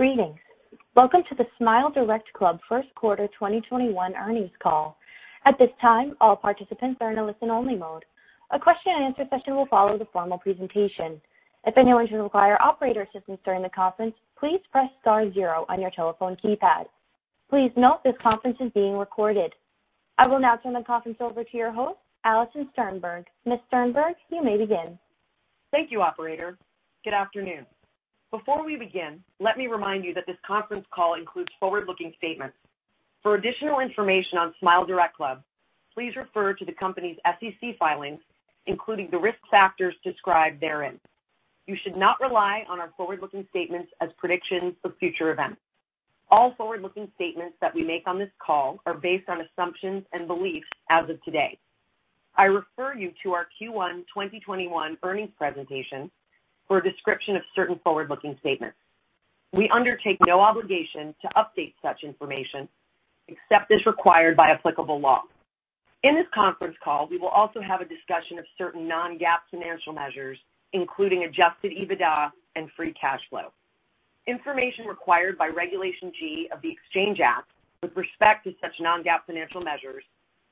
Greetings. Welcome to the SmileDirectClub first quarter 2021 earnings call. At this time, all participants are in a listen only mode. A question and answer session will follow the formal presentation. If anyone should require operator assistance during the conference, please press star zero on your telephone keypad. Please note this conference is being recorded. I will now turn the conference over to your host, Alison Sternberg. Ms. Sternberg, you may begin. Thank you, operator. Good afternoon. Before we begin, let me remind you that this conference call includes forward-looking statements. For additional information on SmileDirectClub, please refer to the company's SEC filings, including the risk factors described therein. You should not rely on our forward-looking statements as predictions of future events. All forward-looking statements that we make on this call are based on assumptions and beliefs as of today. I refer you to our Q1 2021 earnings presentation for a description of certain forward-looking statements. We undertake no obligation to update such information except as required by applicable law. In this conference call, we will also have a discussion of certain non-GAAP financial measures, including adjusted EBITDA and free cash flow. Information required by Regulation G of the Exchange Act with respect to such non-GAAP financial measures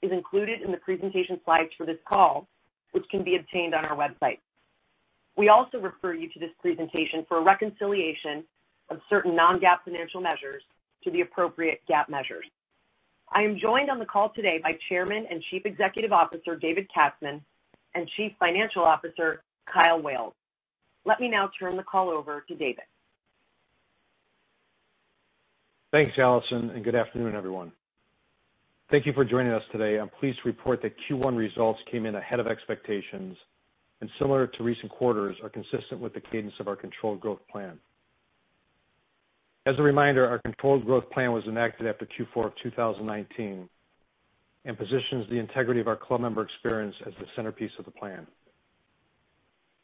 is included in the presentation slides for this call, which can be obtained on our website. We also refer you to this presentation for a reconciliation of certain non-GAAP financial measures to the appropriate GAAP measures. I am joined on the call today by Chairman and Chief Executive Officer, David Katzman, and Chief Financial Officer, Kyle Wailes. Let me now turn the call over to David. Thanks, Alison. Good afternoon, everyone. Thank you for joining us today. I'm pleased to report that Q1 results came in ahead of expectations, and similar to recent quarters, are consistent with the cadence of our Controlled Growth Plan. As a reminder, our Controlled Growth Plan was enacted after Q4 of 2019 and positions the integrity of our club member experience as the centerpiece of the plan.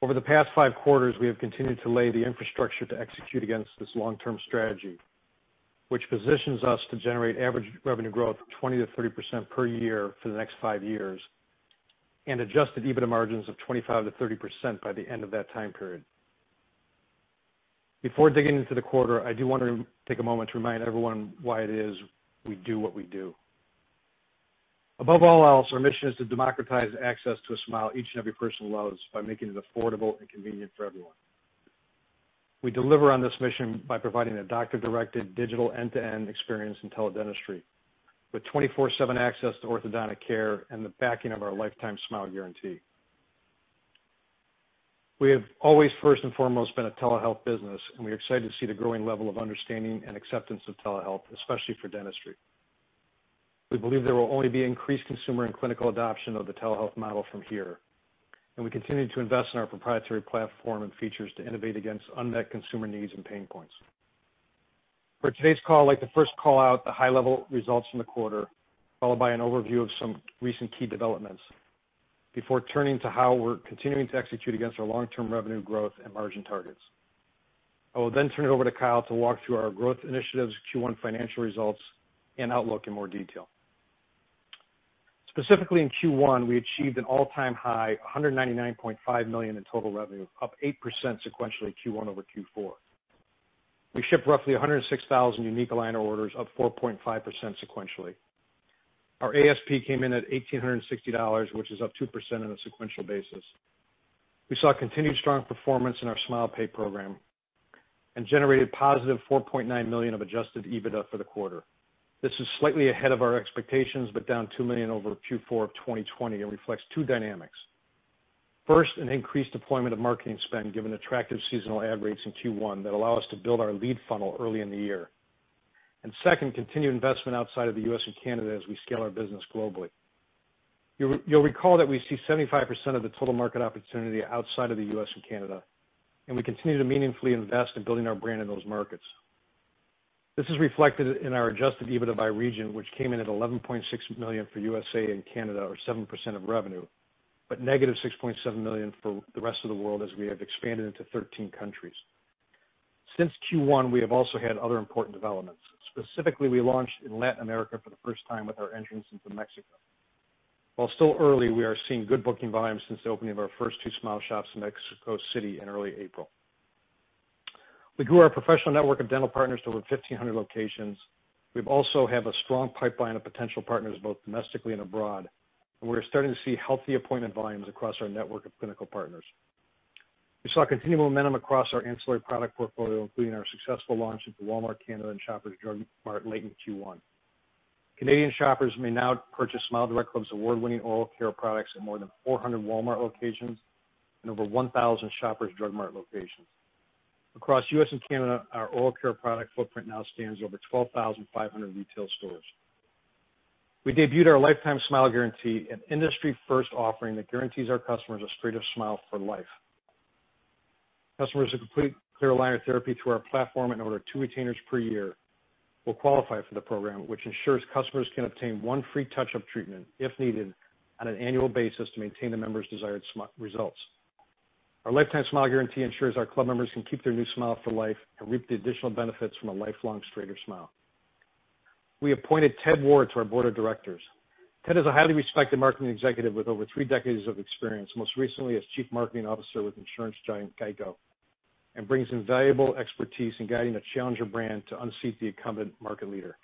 Over the past five quarters, we have continued to lay the infrastructure to execute against this long-term strategy, which positions us to generate average revenue growth of 20%-30% per year for the next five years, and adjusted EBITDA margins of 25%-30% by the end of that time period. Before digging into the quarter, I do want to take a moment to remind everyone why it is we do what we do. Above all else, our mission is to democratize access to a smile each and every person loves by making it affordable and convenient for everyone. We deliver on this mission by providing a doctor-directed digital end-to-end experience in teledentistry, with 24/7 access to orthodontic care and the backing of our Lifetime Smile Guarantee. We have always first and foremost been a telehealth business, and we are excited to see the growing level of understanding and acceptance of telehealth, especially for dentistry. We believe there will only be increased consumer and clinical adoption of the telehealth model from here, and we continue to invest in our proprietary platform and features to innovate against unmet consumer needs and pain points. For today's call, I'd like to first call out the high level results from the quarter, followed by an overview of some recent key developments, before turning to how we're continuing to execute against our long-term revenue growth and margin targets. I will then turn it over to Kyle to walk through our growth initiatives, Q1 financial results, and outlook in more detail. Specifically in Q1, we achieved an all-time high, $199.5 million in total revenue, up 8% sequentially Q1 over Q4. We shipped roughly 106,000 unique aligner orders, up 4.5% sequentially. Our ASP came in at $1,860, which is up 2% on a sequential basis. We saw continued strong performance in our SmilePay program and generated positive $4.9 million of adjusted EBITDA for the quarter. This is slightly ahead of our expectations, but down $2 million over Q4 of 2020 and reflects two dynamics. First, an increased deployment of marketing spend given attractive seasonal ad rates in Q1 that allow us to build our lead funnel early in the year. Second, continued investment outside of the U.S. and Canada as we scale our business globally. You'll recall that we see 75% of the total market opportunity outside of the U.S. and Canada, and we continue to meaningfully invest in building our brand in those markets. This is reflected in our adjusted EBITDA by region, which came in at $11.6 million for U.S. and Canada, or 7% of revenue, but negative $6.7 million for the rest of the world as we have expanded into 13 countries. Since Q1, we have also had other important developments. Specifically, we launched in Latin America for the first time with our entrance into Mexico. While still early, we are seeing good booking volumes since the opening of our first two SmileShops in Mexico City in early April. We grew our professional network of dental partners to over 1,500 locations. We also have a strong pipeline of potential partners, both domestically and abroad, and we are starting to see healthy appointment volumes across our network of clinical partners. We saw continued momentum across our ancillary product portfolio, including our successful launch into Walmart Canada and Shoppers Drug Mart late in Q1. Canadian shoppers may now purchase SmileDirectClub's award-winning oral care products at more than 400 Walmart locations and over 1,000 Shoppers Drug Mart locations. Across U.S. and Canada, our oral care product footprint now stands over 12,500 retail stores. We debuted our Lifetime Smile Guarantee, an industry first offering that guarantees our customers a straighter smile for life. Customers who complete clear aligner therapy through our platform and order two retainers per year will qualify for the program, which ensures customers can obtain one free touch-up treatment if needed on an annual basis to maintain the member's desired results. Our Lifetime Smile Guarantee ensures our club members can keep their new smile for life and reap the additional benefits from a lifelong straighter smile. We appointed Ted Ward to our board of directors. Ted is a highly respected marketing executive with over three decades of experience, most recently as Chief Marketing Officer with insurance giant GEICO, and brings invaluable expertise in guiding a challenger brand to unseat the incumbent market leader.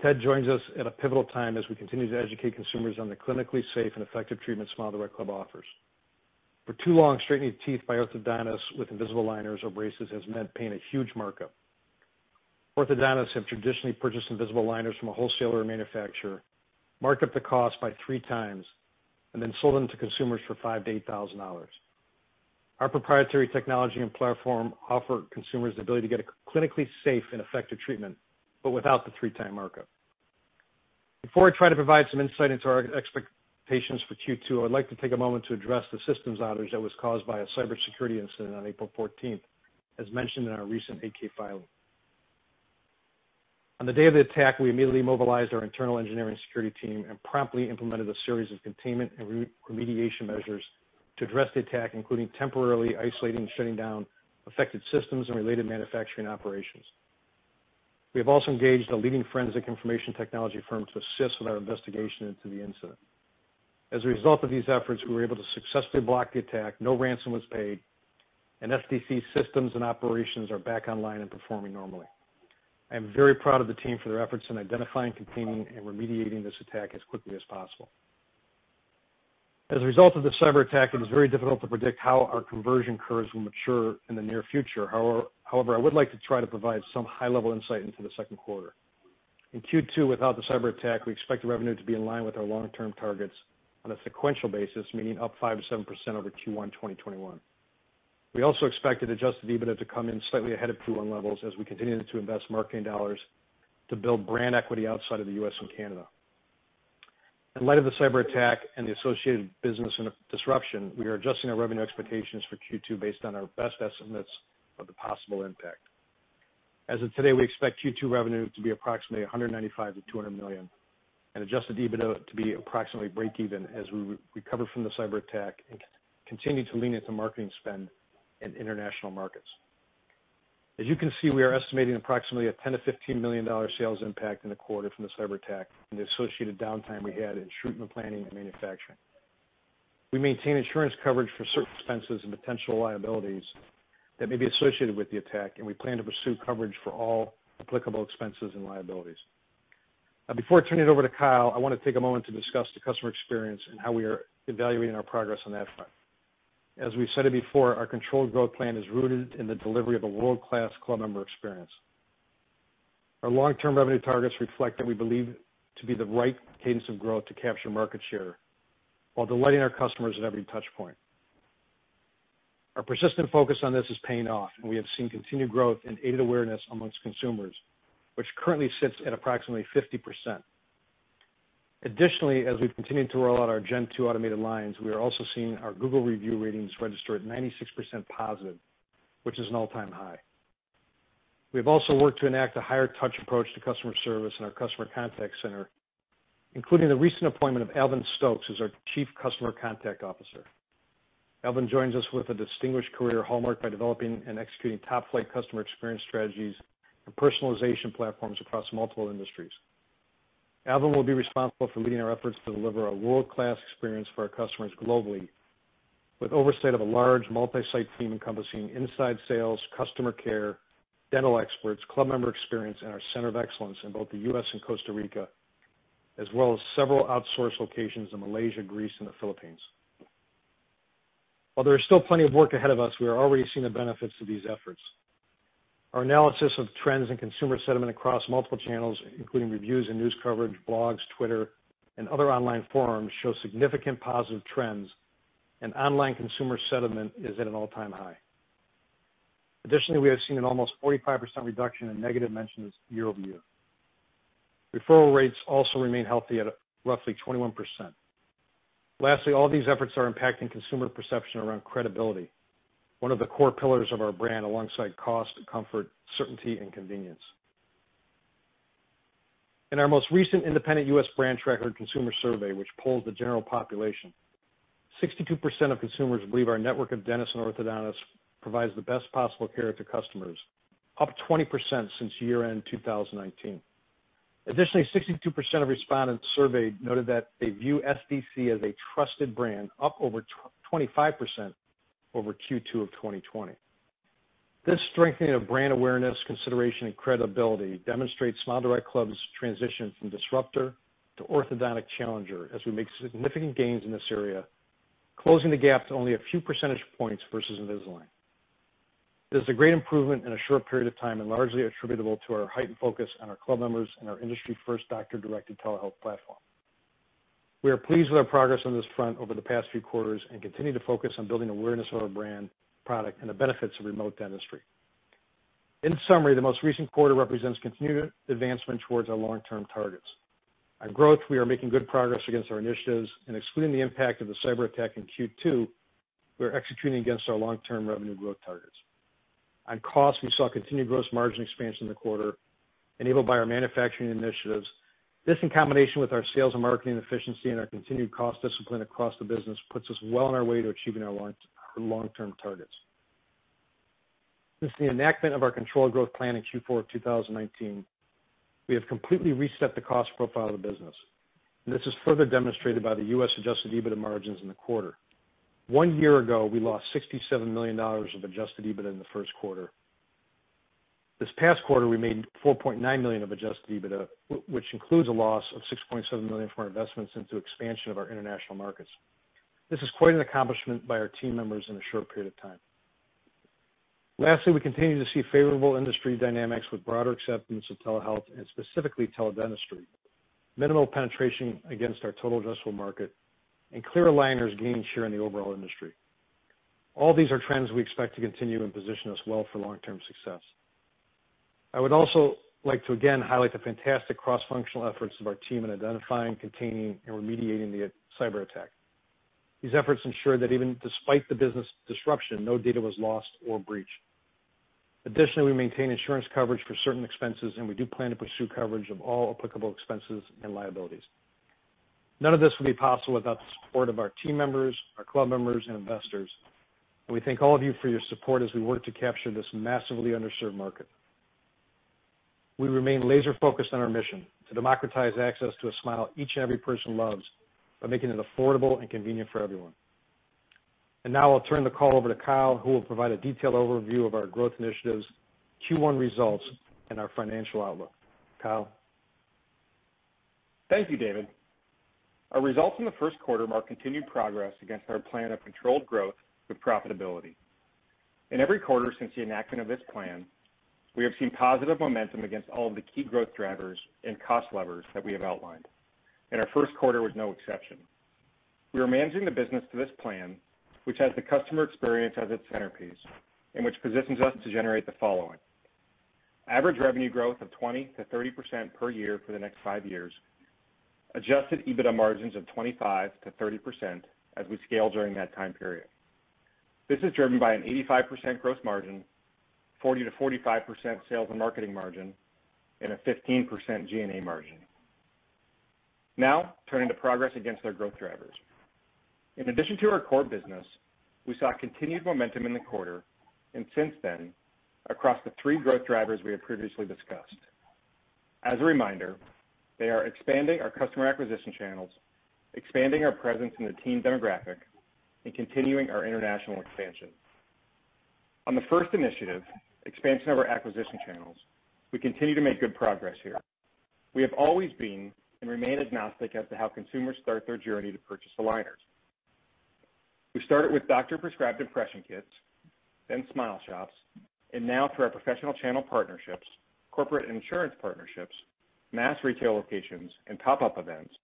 Ted joins us at a pivotal time as we continue to educate consumers on the clinically safe and effective treatment SmileDirectClub offers. For too long, straightening teeth by orthodontists with invisible aligners or braces has meant paying a huge markup. Orthodontists have traditionally purchased invisible aligners from a wholesaler or manufacturer, marked up the cost by three times, and then sold them to consumers for $5,000-$8,000. Our proprietary technology and platform offer consumers the ability to get a clinically safe and effective treatment, but without the three-time markup. Before I try to provide some insight into our expectations for Q2, I'd like to take a moment to address the systems outage that was caused by a cybersecurity incident on April 14th, as mentioned in our recent 8-K filing. On the day of the attack, we immediately mobilized our internal engineering security team and promptly implemented a series of containment and remediation measures to address the attack, including temporarily isolating and shutting down affected systems and related manufacturing operations. We have also engaged a leading forensic information technology firm to assist with our investigation into the incident. As a result of these efforts, we were able to successfully block the attack. No ransom was paid. SDC systems and operations are back online and performing normally. I am very proud of the team for their efforts in identifying, containing, and remediating this attack as quickly as possible. As a result of the cyber attack, it is very difficult to predict how our conversion curves will mature in the near future. I would like to try to provide some high-level insight into the second quarter. In Q2, without the cyber attack, we expect the revenue to be in line with our long-term targets on a sequential basis, meaning up 5%-7% over Q1 2021. We also expected adjusted EBITDA to come in slightly ahead of Q1 levels as we continue to invest marketing dollars to build brand equity outside of the U.S. and Canada. In light of the cyber attack and the associated business interruption, we are adjusting our revenue expectations for Q2 based on our best estimates of the possible impact. As of today, we expect Q2 revenue to be approximately $195 - 200 million and adjusted EBITDA to be approximately breakeven as we recover from the cyber attack and continue to lean into marketing spend in international markets. As you can see, we are estimating approximately a $10 - 15 million sales impact in the quarter from the cyber attack and the associated downtime we had in treatment planning and manufacturing. We maintain insurance coverage for certain expenses and potential liabilities that may be associated with the attack, and we plan to pursue coverage for all applicable expenses and liabilities. Now, before I turn it over to Kyle, I want to take a moment to discuss the customer experience and how we are evaluating our progress on that front. As we've said it before, our controlled growth plan is rooted in the delivery of a world-class club member experience. Our long-term revenue targets reflect what we believe to be the right cadence of growth to capture market share while delighting our customers at every touch point. Our persistent focus on this is paying off, and we have seen continued growth in aided awareness amongst consumers, which currently sits at approximately 50%. Additionally, as we've continued to roll out our Gen 2 automated lines, we are also seeing our Google Review ratings register at 96% positive, which is an all-time high. We have also worked to enact a higher touch approach to customer service in our customer contact center, including the recent appointment of Alvin Stokes as our Chief Customer Contact Officer. Alvin joins us with a distinguished career hallmark by developing and executing top-flight customer experience strategies and personalization platforms across multiple industries. Alvin will be responsible for leading our efforts to deliver a world-class experience for our customers globally with oversight of a large multi-site team encompassing inside sales, customer care, dental experts, club member experience, and our center of excellence in both the U.S. and Costa Rica, as well as several outsource locations in Malaysia, Greece, and the Philippines. While there is still plenty of work ahead of us, we are already seeing the benefits of these efforts. Our analysis of trends and consumer sentiment across multiple channels, including reviews and news coverage, blogs, Twitter, and other online forums, show significant positive trends, and online consumer sentiment is at an all-time high. Additionally, we have seen an almost 45% reduction in negative mentions year-over-year. Referral rates also remain healthy at roughly 21%. Lastly, all these efforts are impacting consumer perception around credibility. One of the core pillars of our brand, alongside cost, comfort, certainty, and convenience. In our most recent independent U.S. Brand Tracker consumer survey, which polls the general population, 62% of consumers believe our network of dentists and orthodontists provides the best possible care to customers, up 20% since year-end 2019. Additionally, 62% of respondents surveyed noted that they view SDC as a trusted brand, up over 25% over Q2 of 2020. This strengthening of brand awareness, consideration, and credibility demonstrates SmileDirectClub's transition from disruptor to orthodontic challenger as we make significant gains in this area, closing the gap to only a few percentage points versus Invisalign. This is a great improvement in a short period of time and largely attributable to our heightened focus on our club members and our industry-first doctor-directed telehealth platform. We are pleased with our progress on this front over the past few quarters and continue to focus on building awareness of our brand, product, and the benefits of remote dentistry. In summary, the most recent quarter represents continued advancement towards our long-term targets. On growth, we are making good progress against our initiatives. Excluding the impact of the cyber attack in Q2, we are executing against our long-term revenue growth targets. On cost, we saw continued gross margin expansion in the quarter enabled by our manufacturing initiatives. This, in combination with our sales and marketing efficiency and our continued cost discipline across the business, puts us well on our way to achieving our long-term targets. Since the enactment of our controlled growth plan in Q4 of 2019, we have completely reset the cost profile of the business. This is further demonstrated by the U.S. adjusted EBITDA margins in the quarter. One year ago, we lost $67 million of adjusted EBITDA in the first quarter. This past quarter, we made $4.9 million of adjusted EBITDA, which includes a loss of $6.7 million from our investments into expansion of our international markets. This is quite an accomplishment by our team members in a short period of time. We continue to see favorable industry dynamics with broader acceptance of telehealth and specifically teledentistry, minimal penetration against our total addressable market, and clear aligners gain share in the overall industry. All these are trends we expect to continue and position us well for long-term success. I would also like to again highlight the fantastic cross-functional efforts of our team in identifying, containing, and remediating the cyberattack. These efforts ensure that even despite the business disruption, no data was lost or breached. We maintain insurance coverage for certain expenses, and we do plan to pursue coverage of all applicable expenses and liabilities. None of this would be possible without the support of our team members, our club members, and investors. We thank all of you for your support as we work to capture this massively underserved market. We remain laser-focused on our mission to democratize access to a smile each and every person loves by making it affordable and convenient for everyone. Now I'll turn the call over to Kyle, who will provide a detailed overview of our growth initiatives, Q1 results, and our financial outlook. Kyle? Thank you, David. Our results in the first quarter mark continued progress against our plan of controlled growth with profitability. In every quarter since the enactment of this plan, we have seen positive momentum against all of the key growth drivers and cost levers that we have outlined, and our first quarter was no exception. We are managing the business to this plan, which has the customer experience as its centerpiece and which positions us to generate the following: Average revenue growth of 20%-30% per year for the next five years, adjusted EBITDA margins of 25%-30% as we scale during that time period. This is driven by an 85% gross margin, 40%-45% sales and marketing margin, and a 15% G&A margin. Turning to progress against our growth drivers. In addition to our core business, we saw continued momentum in the quarter and since then across the three growth drivers we have previously discussed. As a reminder, they are expanding our customer acquisition channels, expanding our presence in the teen demographic, and continuing our international expansion. On the first initiative, expansion of our acquisition channels, we continue to make good progress here. We have always been and remain agnostic as to how consumers start their journey to purchase aligners. We started with doctor-prescribed impression kits, then SmileShops, and now through our professional channel partnerships, corporate insurance partnerships, mass retail locations, and pop-up events,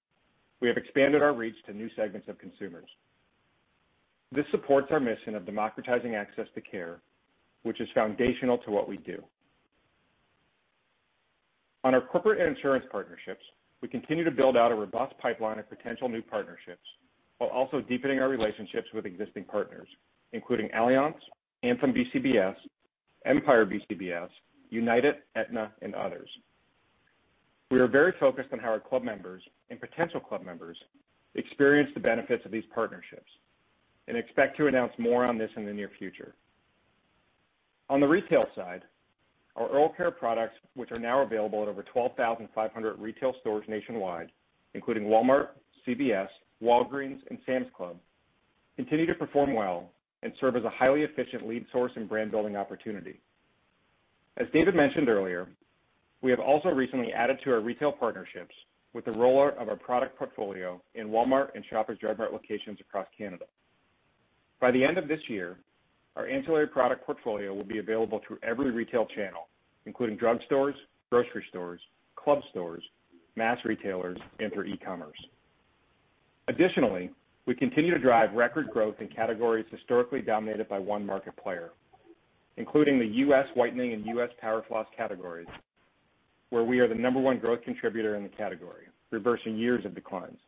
we have expanded our reach to new segments of consumers. This supports our mission of democratizing access to care, which is foundational to what we do. On our corporate and insurance partnerships, we continue to build out a robust pipeline of potential new partnerships while also deepening our relationships with existing partners, including Allianz, Anthem BCBS, Empire BCBS, United, Aetna, and others. We are very focused on how our club members and potential club members experience the benefits of these partnerships and expect to announce more on this in the near future. On the retail side, our oral care products, which are now available at over 12,500 retail stores nationwide, including Walmart, CVS, Walgreens, and Sam's Club, continue to perform well and serve as a highly efficient lead source and brand-building opportunity. As David mentioned earlier, we have also recently added to our retail partnerships with the rollout of our product portfolio in Walmart and Shoppers Drug Mart locations across Canada. By the end of this year, our ancillary product portfolio will be available through every retail channel, including drugstores, grocery stores, club stores, mass retailers, and through e-commerce. Additionally, we continue to drive record growth in categories historically dominated by one market player, including the U.S. whitening and U.S. power floss categories, where we are the number one growth contributor in the category, reversing years of declines.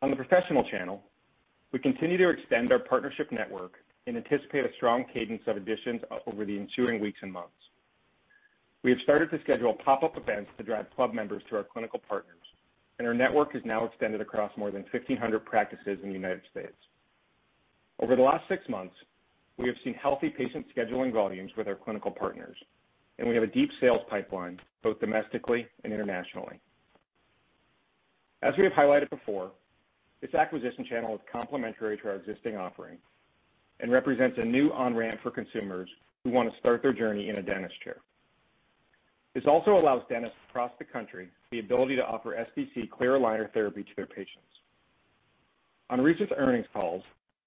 On the professional channel, we continue to extend our partnership network and anticipate a strong cadence of additions over the ensuing weeks and months. We have started to schedule pop-up events to drive club members to our clinical partners, and our network is now extended across more than 1,500 practices in the United States. Over the last six months, we have seen healthy patient scheduling volumes with our clinical partners, and we have a deep sales pipeline both domestically and internationally. As we have highlighted before, this acquisition channel is complementary to our existing offering and represents a new on-ramp for consumers who want to start their journey in a dentist chair. This also allows dentists across the country the ability to offer SDC clear aligner therapy to their patients. On recent earnings calls,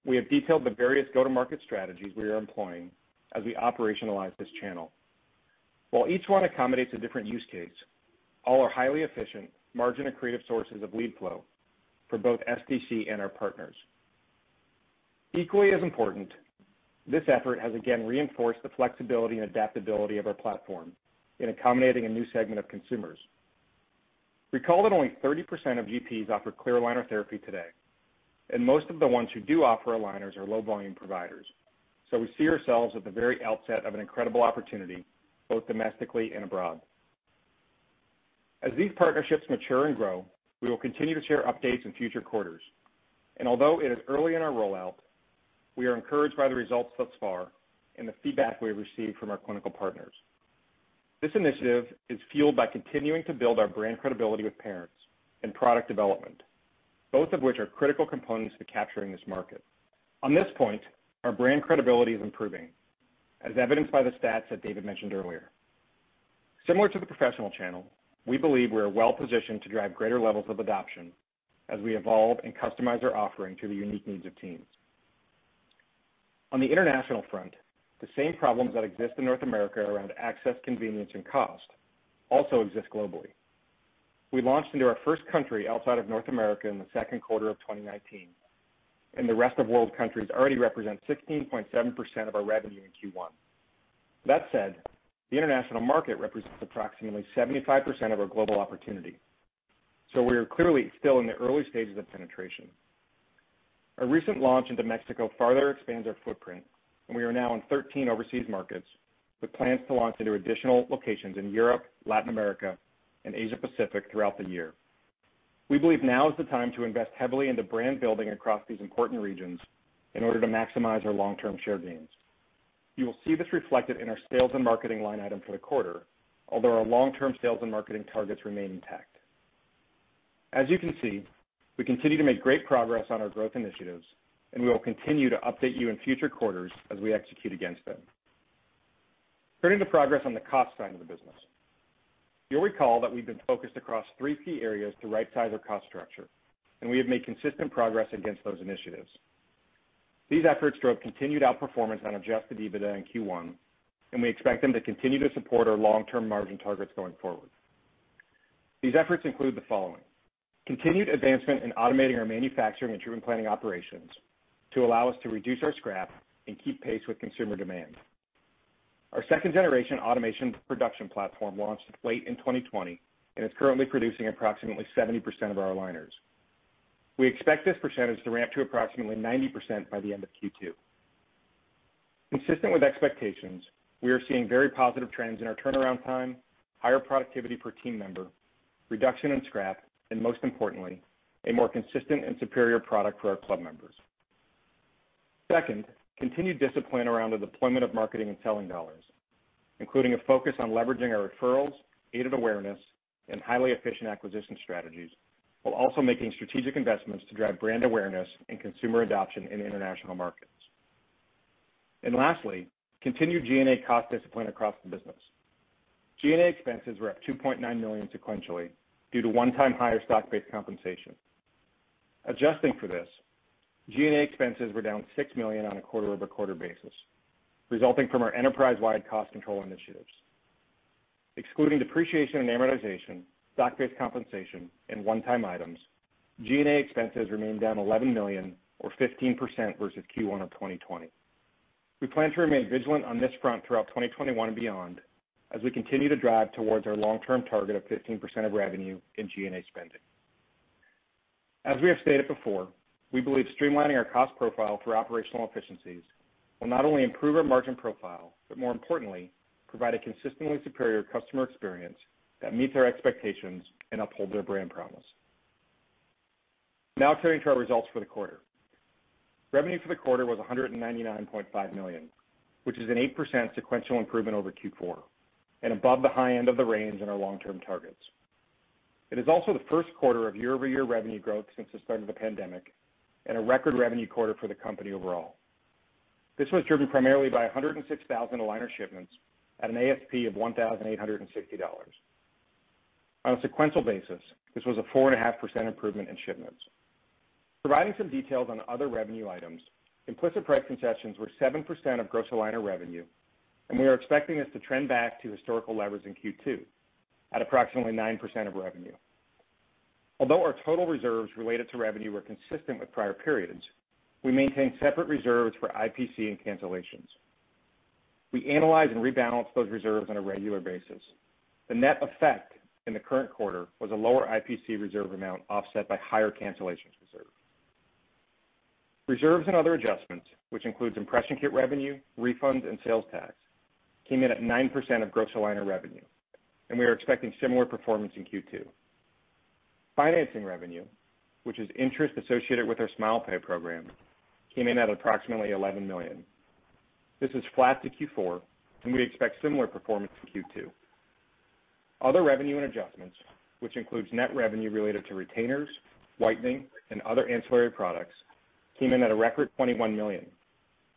we have detailed the various go-to-market strategies we are employing as we operationalize this channel. While each one accommodates a different use case, all are highly efficient, margin accretive sources of lead flow for both SDC and our partners. Equally as important, this effort has again reinforced the flexibility and adaptability of our platform in accommodating a new segment of consumers. Recall that only 30% of GPs offer clear aligner therapy today, and most of the ones who do offer aligners are low-volume providers. We see ourselves at the very outset of an incredible opportunity, both domestically and abroad. As these partnerships mature and grow, we will continue to share updates in future quarters. Although it is early in our rollout, we are encouraged by the results thus far and the feedback we've received from our clinical partners. This initiative is fueled by continuing to build our brand credibility with parents and product development, both of which are critical components to capturing this market. On this point, our brand credibility is improving, as evidenced by the stats that David mentioned earlier. Similar to the professional channel, we believe we're well-positioned to drive greater levels of adoption as we evolve and customize our offering to the unique needs of teens. On the international front, the same problems that exist in North America around access, convenience, and cost also exist globally. We launched into our first country outside of North America in the second quarter of 2019, and the rest of world countries already represent 15.7% of our revenue in Q1. That said, the international market represents approximately 75% of our global opportunity. We are clearly still in the early stages of penetration. Our recent launch into Mexico farther expands our footprint, and we are now in 13 overseas markets, with plans to launch into additional locations in Europe, Latin America, and Asia Pacific throughout the year. We believe now is the time to invest heavily into brand-building across these important regions in order to maximize our long-term share gains. You will see this reflected in our sales and marketing line item for the quarter, although our long-term sales and marketing targets remain intact. As you can see, we continue to make great progress on our growth initiatives, and we will continue to update you in future quarters as we execute against them. Turning to progress on the cost side of the business. You'll recall that we've been focused across three key areas to rightsize our cost structure, and we have made consistent progress against those initiatives. These efforts drove continued outperformance on adjusted EBITDA in Q1, and we expect them to continue to support our long-term margin targets going forward. These efforts include the following. Continued advancement in automating our manufacturing and planning operations to allow us to reduce our scrap and keep pace with consumer demand. Our second-generation automation production platform launched late in 2020, and is currently producing approximately 70% of our aligners. We expect this percentage to ramp to approximately 90% by the end of Q2. Consistent with expectations, we are seeing very positive trends in our turnaround time, higher productivity per team member, reduction in scrap, and most importantly, a more consistent and superior product for our Club members. Second, continued discipline around the deployment of marketing and selling dollars, including a focus on leveraging our referrals, aided awareness, and highly efficient acquisition strategies, while also making strategic investments to drive brand awareness and consumer adoption in international markets. Lastly, continued G&A cost discipline across the business. G&A expenses were up $2.9 million sequentially due to one-time higher stock-based compensation. Adjusting for this, G&A expenses were down $6 million on a quarter-over-quarter basis, resulting from our enterprise-wide cost control initiatives. Excluding depreciation and amortization, stock-based compensation, and one-time items, G&A expenses remained down $11 million, or 15% versus Q1 of 2020. We plan to remain vigilant on this front throughout 2021 and beyond, as we continue to drive towards our long-term target of 15% of revenue in G&A spending. As we have stated before, we believe streamlining our cost profile through operational efficiencies will not only improve our margin profile, but more importantly, provide a consistently superior customer experience that meets our expectations and uphold their brand promise. Turning to our results for the quarter. Revenue for the quarter was $199.5 million, which is an 8% sequential improvement over Q4, and above the high end of the range in our long-term targets. It is also the first quarter of year-over-year revenue growth since the start of the pandemic, and a record revenue quarter for the company overall. This was driven primarily by 106,000 aligner shipments at an ASP of $1,860. On a sequential basis, this was a 4.5% improvement in shipments. Providing some details on other revenue items, implicit price concessions were 7% of gross aligner revenue. We are expecting this to trend back to historical levels in Q2 at approximately 9% of revenue. Although our total reserves related to revenue were consistent with prior periods, we maintain separate reserves for IPC and cancellations. We analyze and rebalance those reserves on a regular basis. The net effect in the current quarter was a lower IPC reserve amount offset by higher cancellations reserve. Reserves and other adjustments, which includes impression kit revenue, refunds, and sales tax, came in at 9% of gross aligner revenue. We are expecting similar performance in Q2. Financing revenue, which is interest associated with our SmilePay program, came in at approximately $11 million. This was flat to Q4. We expect similar performance in Q2. Other revenue and adjustments, which includes net revenue related to retainers, whitening, and other ancillary products, came in at a record $21 million,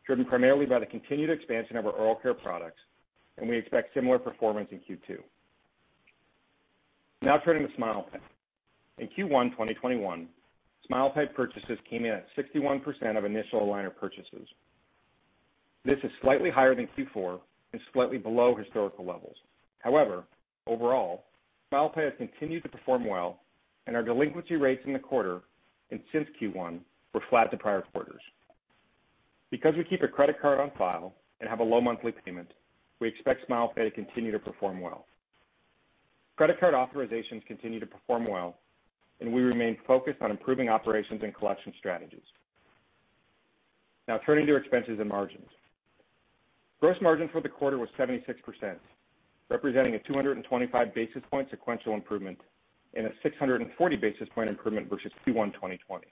driven primarily by the continued expansion of our oral care products. We expect similar performance in Q2. Turning to SmilePay. In Q1 2021, SmilePay purchases came in at 61% of initial aligner purchases. This is slightly higher than Q4 and slightly below historical levels. Overall, SmilePay has continued to perform well, and our delinquency rates in the quarter and since Q1 were flat to prior quarters. Because we keep a credit card on file and have a low monthly payment, we expect SmilePay to continue to perform well. Credit card authorizations continue to perform well, and we remain focused on improving operations and collection strategies. Turning to expenses and margins. Gross margin for the quarter was 76%, representing a 225 basis point sequential improvement and a 640 basis point improvement versus Q1 2020.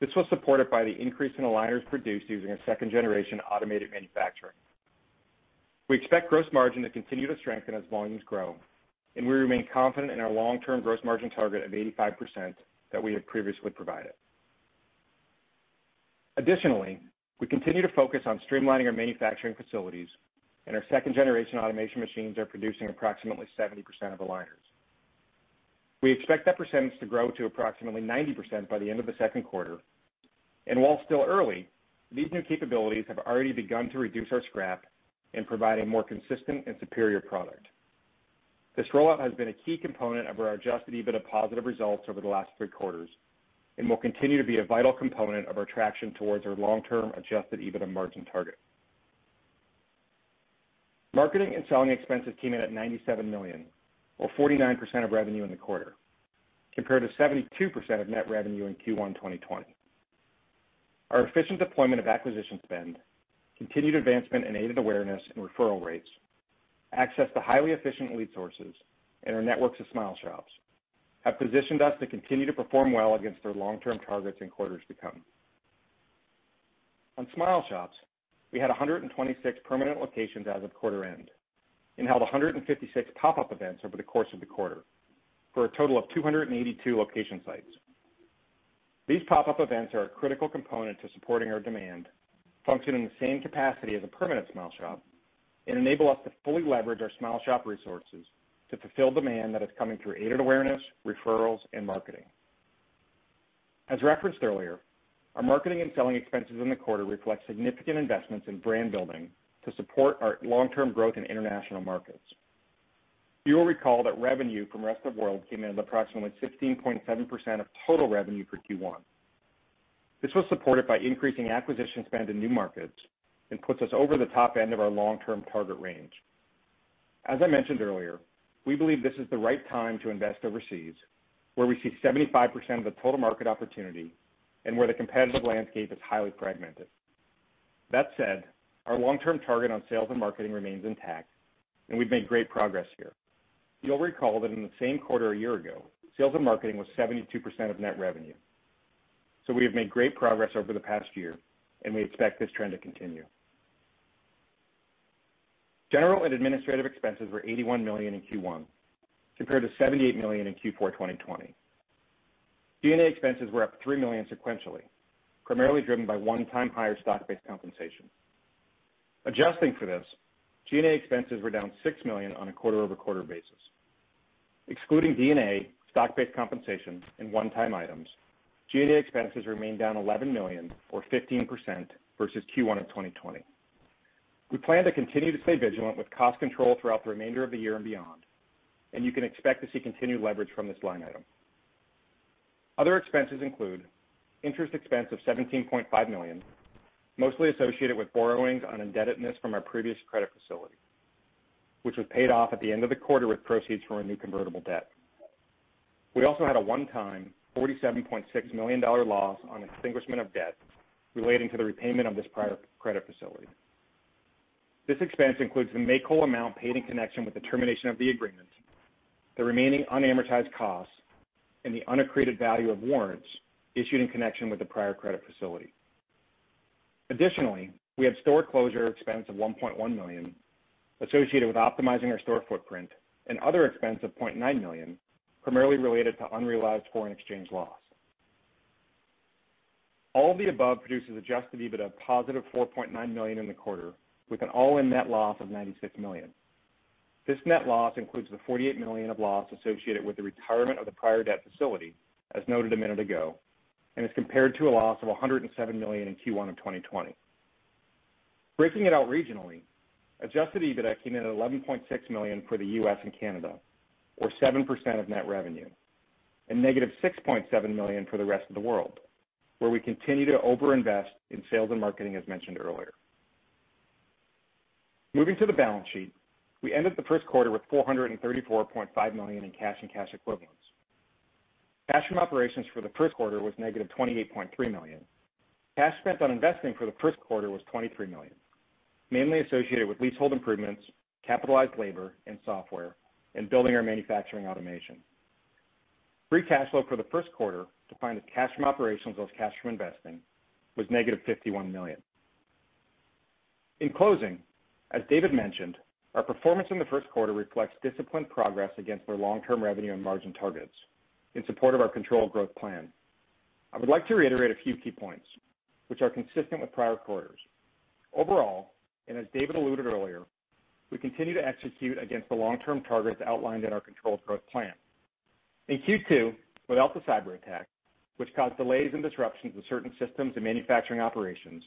This was supported by the increase in aligners produced using a second-generation automated manufacturing. We expect gross margin to continue to strengthen as volumes grow, and we remain confident in our long-term gross margin target of 85% that we had previously provided. Additionally, we continue to focus on streamlining our manufacturing facilities, and our second-generation automation machines are producing approximately 70% of aligners. We expect that percentage to grow to approximately 90% by the end of the second quarter. While still early, these new capabilities have already begun to reduce our scrap and provide a more consistent and superior product. This rollout has been a key component of our adjusted EBITDA positive results over the last three quarters and will continue to be a vital component of our traction towards our long-term adjusted EBITDA margin target. Marketing and selling expenses came in at $97 million, or 49% of revenue in the quarter, compared to 72% of net revenue in Q1 2020. Our efficient deployment of acquisition spend, continued advancement in aided awareness and referral rates, access to highly efficient lead sources, and our networks of SmileShops have positioned us to continue to perform well against our long-term targets in quarters to come. On SmileShops, we had 126 permanent locations as of quarter end and held 156 pop-up events over the course of the quarter, for a total of 282 location sites. These pop-up events are a critical component to supporting our demand, function in the same capacity as a permanent SmileShop, and enable us to fully leverage our SmileShop resources to fulfill demand that is coming through aided awareness, referrals, and marketing. As referenced earlier, our marketing and selling expenses in the quarter reflect significant investments in brand building to support our long-term growth in international markets. You will recall that revenue from Rest of World came in at approximately 15.7% of total revenue for Q1. This was supported by increasing acquisition spend in new markets and puts us over the top end of our long-term target range. As I mentioned earlier, we believe this is the right time to invest overseas, where we see 75% of the total market opportunity and where the competitive landscape is highly fragmented. That said, our long-term target on sales and marketing remains intact, and we've made great progress here. You'll recall that in the same quarter a year ago, sales and marketing was 72% of net revenue. We have made great progress over the past year, and we expect this trend to continue. General and administrative expenses were $81 million in Q1, compared to $78 million in Q4 2020. G&A expenses were up $3 million sequentially, primarily driven by one-time higher stock-based compensation. Adjusting for this, G&A expenses were down $6 million on a quarter-over-quarter basis. Excluding G&A, stock-based compensation, and one-time items, G&A expenses remained down $11 million or 15% versus Q1 of 2020. We plan to continue to stay vigilant with cost control throughout the remainder of the year and beyond, and you can expect to see continued leverage from this line item. Other expenses include interest expense of $17.5 million, mostly associated with borrowings on indebtedness from our previous credit facility, which was paid off at the end of the quarter with proceeds from our new convertible debt. We also had a one-time $47.6 million loss on extinguishment of debt relating to the repayment of this prior credit facility. This expense includes the make-whole amount paid in connection with the termination of the agreement, the remaining unamortized costs, and the unaccreted value of warrants issued in connection with the prior credit facility. Additionally, we have store closure expense of $1.1 million associated with optimizing our store footprint and other expense of $0.9 million, primarily related to unrealized foreign exchange loss. All the above produces adjusted EBITDA of positive $4.9 million in the quarter, with an all-in net loss of $96 million. This net loss includes the $48 million of loss associated with the retirement of the prior debt facility, as noted a minute ago, and is compared to a loss of $107 million in Q1 of 2020. Breaking it out regionally, adjusted EBITDA came in at $11.6 million for the U.S. and Canada, or 7% of net revenue, and negative $6.7 million for the rest of the world, where we continue to overinvest in sales and marketing, as mentioned earlier. Moving to the balance sheet, we ended the first quarter with $434.5 million in cash and cash equivalents. Cash from operations for the first quarter was -$28.3 million. Cash spent on investing for the first quarter was $23 million, mainly associated with leasehold improvements, capitalized labor and software, and building our manufacturing automation. Free cash flow for the first quarter, defined as cash from operations less cash from investing, was -$51 million. In closing, as David mentioned, our performance in the first quarter reflects disciplined progress against our long-term revenue and margin targets in support of our controlled growth plan. I would like to reiterate a few key points which are consistent with prior quarters. Overall, as David alluded earlier, we continue to execute against the long-term targets outlined in our controlled growth plan. In Q2, without the cyber attack, which caused delays and disruptions with certain systems and manufacturing operations,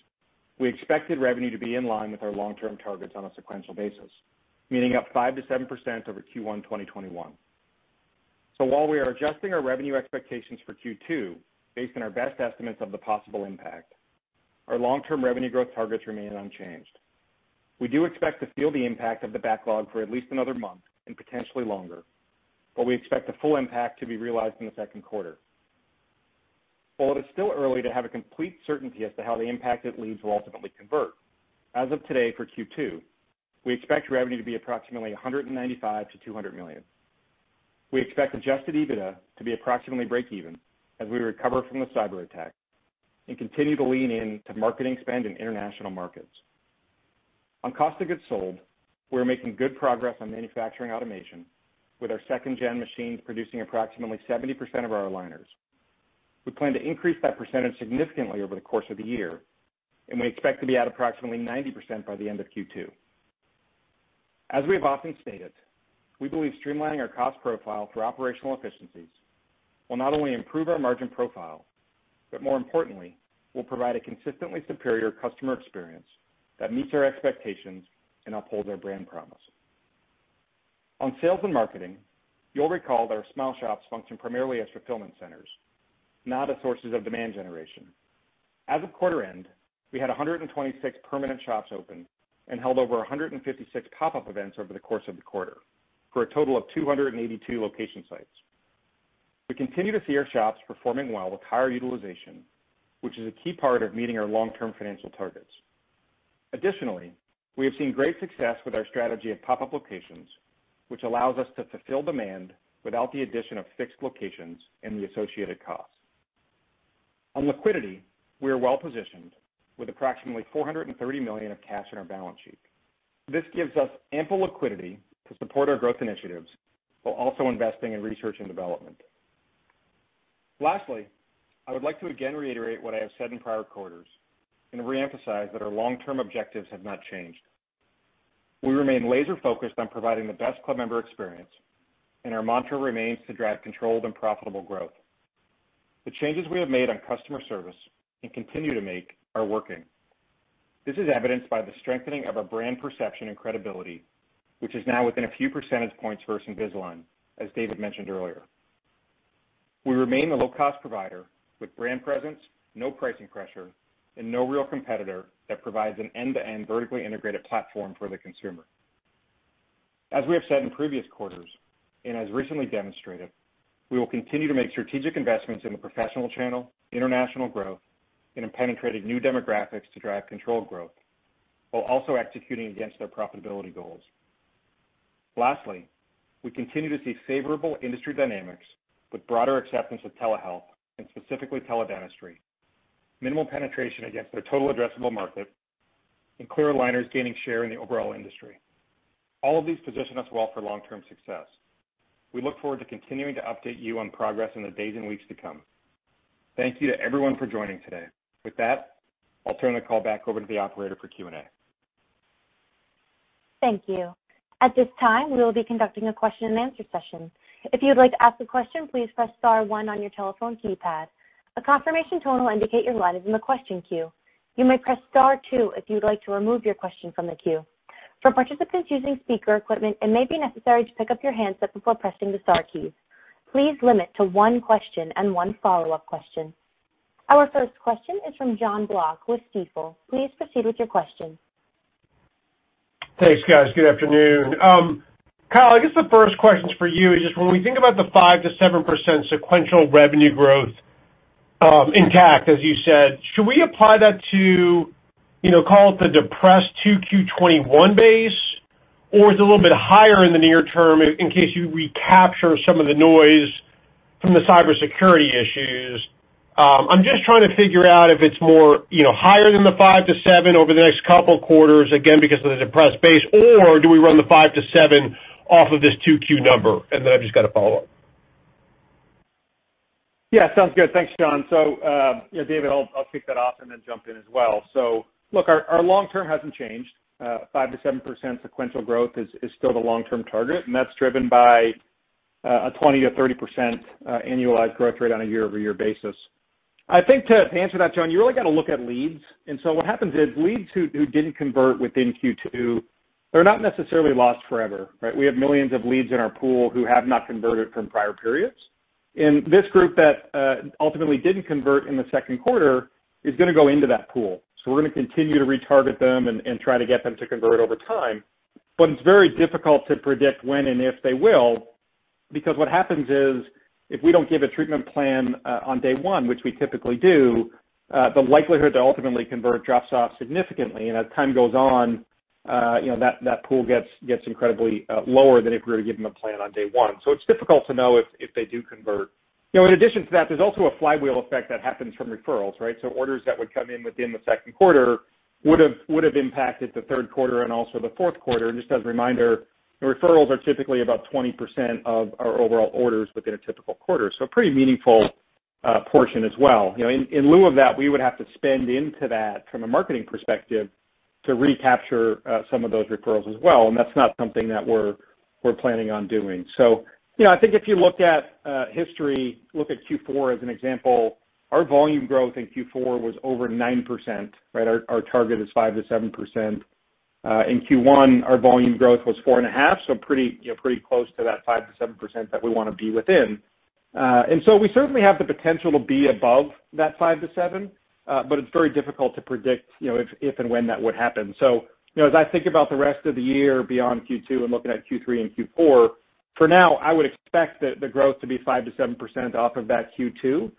we expected revenue to be in line with our long-term targets on a sequential basis, meaning up five to 7% over Q1 2021. While we are adjusting our revenue expectations for Q2 based on our best estimates of the possible impact, our long-term revenue growth targets remain unchanged. We do expect to feel the impact of the backlog for at least another month, and potentially longer, but we expect the full impact to be realized in the second quarter. While it is still early to have a complete certainty as to how the impacted leads will ultimately convert, as of today for Q2, we expect revenue to be approximately $195 - 200 million. We expect adjusted EBITDA to be approximately breakeven as we recover from the cyber attack and continue to lean in to marketing spend in international markets. On cost of goods sold, we're making good progress on manufacturing automation with our Gen 2 machines producing approximately 70% of our aligners. We plan to increase that percentage significantly over the course of the year, and we expect to be at approximately 90% by the end of Q2. As we have often stated, we believe streamlining our cost profile through operational efficiencies will not only improve our margin profile, but more importantly, will provide a consistently superior customer experience that meets their expectations and upholds our brand promise. On sales and marketing, you'll recall that our SmileShops function primarily as fulfillment centers, not as sources of demand generation. As of quarter end, we had 126 permanent shops open and held over 156 pop-up events over the course of the quarter, for a total of 282 location sites. We continue to see our shops performing well with higher utilization, which is a key part of meeting our long-term financial targets. Additionally, we have seen great success with our strategy of pop-up locations, which allows us to fulfill demand without the addition of fixed locations and the associated costs. On liquidity, we are well-positioned with approximately $430 million of cash on our balance sheet. This gives us ample liquidity to support our growth initiatives while also investing in research and development. Lastly, I would like to again reiterate what I have said in prior quarters and reemphasize that our long-term objectives have not changed. We remain laser-focused on providing the best club member experience, and our mantra remains to drive controlled and profitable growth. The changes we have made on customer service, and continue to make, are working. This is evidenced by the strengthening of our brand perception and credibility, which is now within a few percentage points versus Invisalign, as David mentioned earlier. We remain the low-cost provider with brand presence, no pricing pressure, and no real competitor that provides an end-to-end vertically integrated platform for the consumer. As we have said in previous quarters, and as recently demonstrated, we will continue to make strategic investments in the professional channel, international growth, and in penetrating new demographics to drive controlled growth while also executing against our profitability goals. Lastly, we continue to see favorable industry dynamics with broader acceptance of telehealth and specifically teledentistry, minimal penetration against our total addressable market, and clear aligners gaining share in the overall industry. All of these position us well for long-term success. We look forward to continuing to update you on progress in the days and weeks to come. Thank you to everyone for joining today. With that, I'll turn the call back over to the operator for Q&A. Thank you. At this time, we will be conducting a question and answer session. If you would like to ask a question, please press star one on your telephone keypad. A confirmation tone will indicate your line is in the question queue. You may press star two if you would like to remove your question from the queue. For participants using speaker equipment, it may be necessary to pick up your handset before pressing the star keys. Please limit to one question and one follow-up question. Our first question is from Jonathan Block with Stifel. Please proceed with your question. Thanks, guys. Good afternoon. Kyle, I guess the first question is for you, is just when we think about the 5%-7% sequential revenue growth intact, as you said, should we apply that to call it the depressed Q2 21 days, or is it a little bit higher in the near term in case you recapture some of the noise from the cybersecurity issues? I'm just trying to figure out if it's more higher than the 5%-7% over the next couple quarters, again, because of the depressed base, or do we run the 5%-7% off of this Q2 number? I've just got a follow-up. Yeah, sounds good. Thanks, John. David, I'll kick that off and then jump in as well. Our long term hasn't changed. 5%-7% sequential growth is still the long-term target, and that's driven by a 20% or 30% annualized growth rate on a year-over-year basis. I think to answer that, John, you really got to look at leads. What happens is leads who didn't convert within Q2, they're not necessarily lost forever, right? We have millions of leads in our pool who have not converted from prior periods. This group that ultimately didn't convert in the second quarter is going to go into that pool. We're going to continue to retarget them and try to get them to convert over time. It's very difficult to predict when and if they will, because what happens is, if we don't give a treatment plan on day one, which we typically do, the likelihood they'll ultimately convert drops off significantly. As time goes on, that pool gets incredibly lower than if we were to give them a plan on day one. It's difficult to know if they do convert. In addition to that, there's also a flywheel effect that happens from referrals, right? Orders that would come in within the second quarter would have impacted the third quarter and also the fourth quarter. Just as a reminder, the referrals are typically about 20% of our overall orders within a typical quarter. A pretty meaningful portion as well. In lieu of that, we would have to spend into that from a marketing perspective to recapture some of those referrals as well, and that's not something that we're planning on doing. I think if you look at history, look at Q4 as an example, our volume growth in Q4 was over 9%, right? Our target is 5%-7%. In Q1, our volume growth was 4.5%, so pretty close to that 5%-7% that we want to be within. We certainly have the potential to be above that 5%-7%, but it's very difficult to predict if and when that would happen. As I think about the rest of the year beyond Q2 and looking at Q3 and Q4, for now, I would expect the growth to be 5% to 7% off of that Q2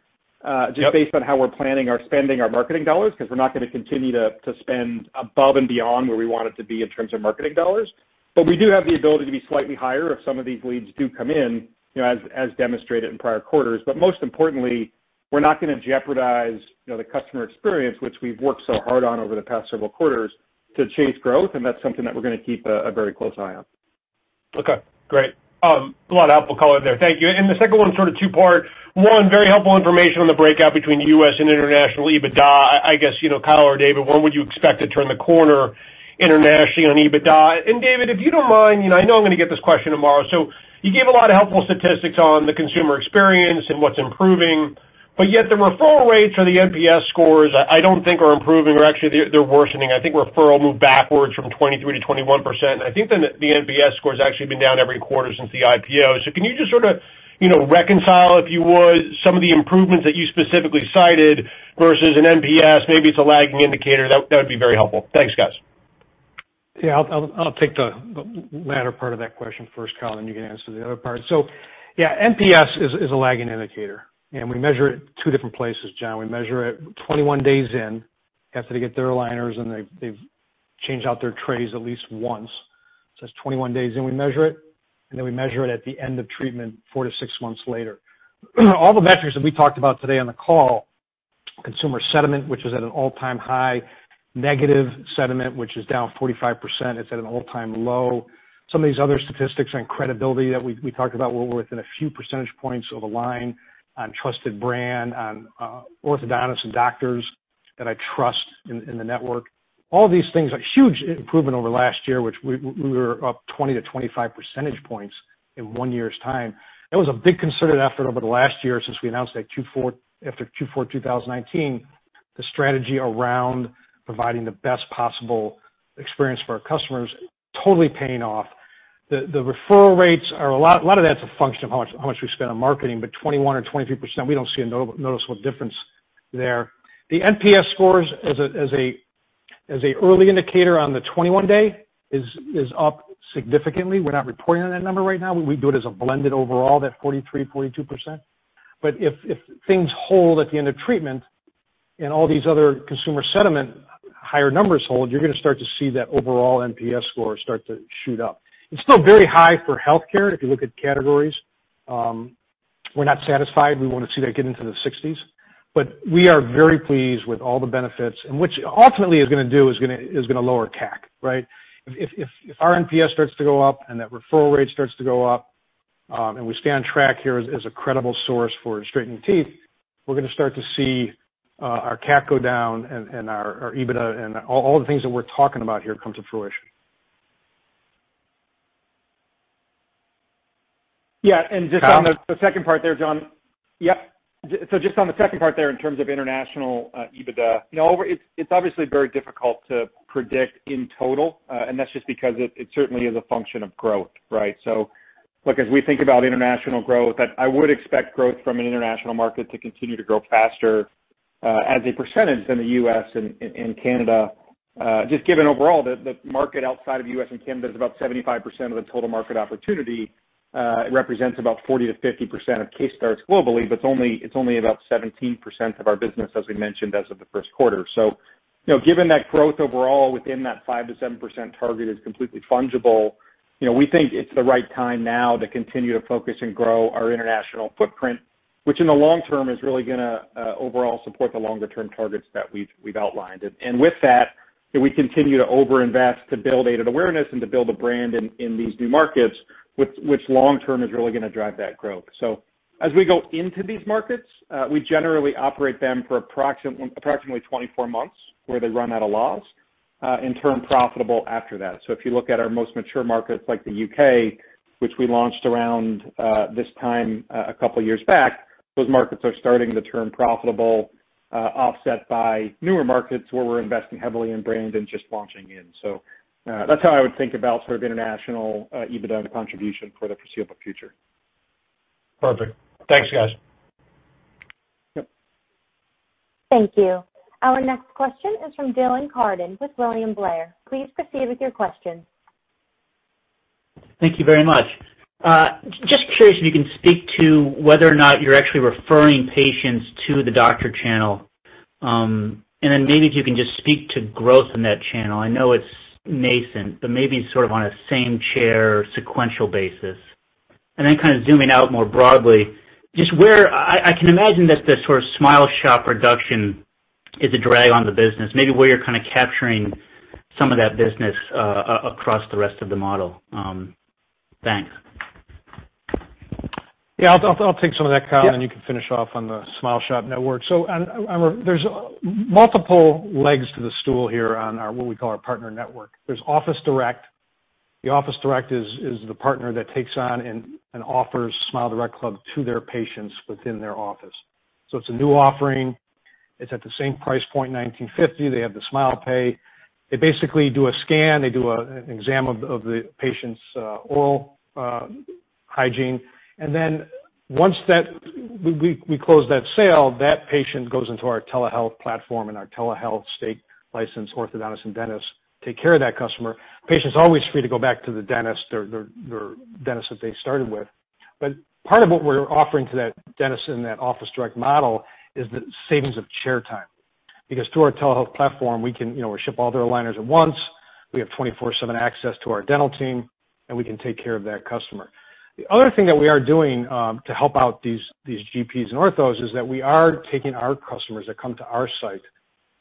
just based on how we're planning our spending, our marketing dollars, because we're not going to continue to spend above and beyond where we want it to be in terms of marketing dollars. We do have the ability to be slightly higher if some of these leads do come in, as demonstrated in prior quarters. Most importantly, we're not going to jeopardize the customer experience, which we've worked so hard on over the past several quarters to chase growth, and that's something that we're going to keep a very close eye on. Okay, great. A lot of helpful color there. Thank you. The second one's sort of two-part. One, very helpful information on the breakout between U.S. and international EBITDA. I guess, Kyle or David, when would you expect to turn the corner internationally on EBITDA? David, if you don't mind, I know I'm going to get this question tomorrow. You gave a lot of helpful statistics on the consumer experience and what's improving. Yet the referral rates or the NPS scores, I don't think are improving or actually they're worsening. I think referral moved backwards from 23% to 21%. I think the NPS score has actually been down every quarter since the IPO. Can you just sort of reconcile, if you would, some of the improvements that you specifically cited versus an NPS? Maybe it's a lagging indicator. That would be very helpful. Thanks, guys. Yeah. I'll take the latter part of that question first, Kyle, and you can answer the other part. Yeah, NPS is a lagging indicator, and we measure it two different places, John. We measure it 21 days in, after they get their aligners and they've changed out their trays at least once. It's 21 days in, we measure it, and then we measure it at the end of treatment, four to six months later. All the metrics that we talked about today on the call, consumer sentiment, which is at an all-time high, negative sentiment, which is down 45%, it's at an all-time low. Some of these other statistics on credibility that we talked about were within a few percentage points of a line on trusted brand, on orthodontists and doctors that I trust in the network. All these things are huge improvement over last year, which we were up 20 to 25 percentage points in one year's time. That was a big concerted effort over the last year since we announced after Q4 2019, the strategy around providing the best possible experience for our customers, totally paying off. The referral rates, a lot of that's a function of how much we spend on marketing, but 21% or 23%, we don't see a noticeable difference there. The NPS scores as an early indicator on the 21-day is up significantly. We're not reporting on that number right now. We do it as a blended overall, that 43%, 42%. If things hold at the end of treatment and all these other consumer sentiment higher numbers hold, you're going to start to see that overall NPS score start to shoot up. It's still very high for healthcare, if you look at categories. We're not satisfied. We want to see that get into the 60s. We are very pleased with all the benefits, and which ultimately is going to lower CAC, right? If our NPS starts to go up and that referral rate starts to go up, and we stay on track here as a credible source for straightening teeth, we're going to start to see our CAC go down and our EBITDA and all the things that we're talking about here come to fruition. Yeah. Just on the second part there, John. Yep. Just on the second part there in terms of international EBITDA. It's obviously very difficult to predict in total, and that's just because it certainly is a function of growth, right? Look, as we think about international growth, I would expect growth from an international market to continue to grow faster as a percentage than the U.S. and Canada. Just given overall, the market outside of U.S. and Canada is about 75% of the total market opportunity. It represents about 40%-50% of case starts globally, but it's only about 17% of our business, as we mentioned, as of the first quarter. Given that growth overall within that 5% to 7% target is completely fungible, we think it's the right time now to continue to focus and grow our international footprint, which in the long term is really going to overall support the longer-term targets that we've outlined. With that, we continue to over-invest to build aided awareness and to build a brand in these new markets, which long term is really going to drive that growth. As we go into these markets, we generally operate them for approximately 24 months, where they run out of loss, and turn profitable after that. If you look at our most mature markets like the U.K., which we launched around this time a couple of years back, those markets are starting to turn profitable, offset by newer markets where we're investing heavily in brand and just launching in. That's how I would think about sort of international EBITDA contribution for the foreseeable future. Perfect. Thanks, guys. Yep. Thank you. Our next question is from Dylan Carden with William Blair. Please proceed with your question. Thank you very much. Just curious if you can speak to whether or not you're actually referring patients to the doctor channel. Maybe if you can just speak to growth in that channel. I know it's nascent, maybe sort of on a same-chair sequential basis. Kind of zooming out more broadly, I can imagine that the sort of SmileShop reduction is a drag on the business, maybe where you're kind of capturing some of that business across the rest of the model. Thanks. Yeah, I'll take some of that, Kyle, and then you can finish off on the SmileShop network. There's multiple legs to the stool here on what we call our partner network. There's office direct. The office direct is the partner that takes on and offers SmileDirectClub to their patients within their office. It's a new offering. It's at the same price point, $1,950. They have the SmilePay. They basically do a scan, they do an exam of the patient's oral hygiene, and then once we close that sale, that patient goes into our telehealth platform, and our telehealth state licensed orthodontist and dentist take care of that customer. Patient's always free to go back to the dentist or their dentist that they started with. Part of what we're offering to that dentist in that office direct model is the savings of chair time. Through our telehealth platform, we ship all their aligners at once, we have 24/7 access to our dental team, and we can take care of that customer. The other thing that we are doing to help out these GPs and orthos is that we are taking our customers that come to our site,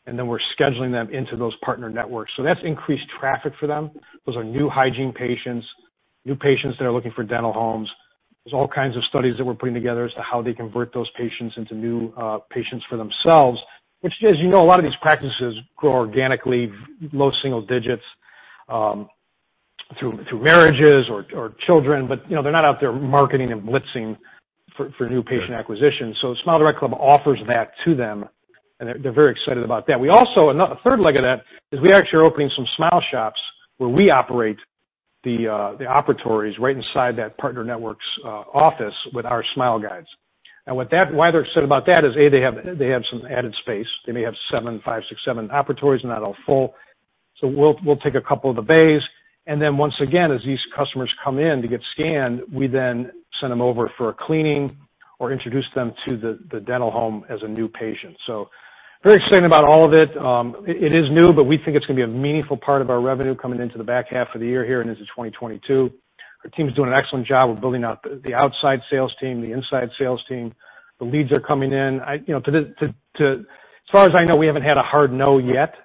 we're scheduling them into those partner networks. That's increased traffic for them. Those are new hygiene patients, new patients that are looking for dental homes. There's all kinds of studies that we're putting together as to how they convert those patients into new patients for themselves, which as you know, a lot of these practices grow organically, low single digits, through marriages or children, they're not out there marketing and blitzing for new patient acquisitions. SmileDirectClub offers that to them, they're very excited about that. A third leg of that is we actually are opening some SmileShops where we operate the operatories right inside that partner network's office with our SmileGuides. Why they're excited about that is, A, they have some added space. They may have five, six, seven operatories, not all full. We'll take a couple of the bays, and then once again, as these customers come in to get scanned, we then send them over for a cleaning or introduce them to the dental home as a new patient. Very excited about all of it. It is new, but we think it's going to be a meaningful part of our revenue coming into the back half of the year here and into 2022. Our team's doing an excellent job of building out the outside sales team, the inside sales team. The leads are coming in. As far as I know, we haven't had a hard no yet.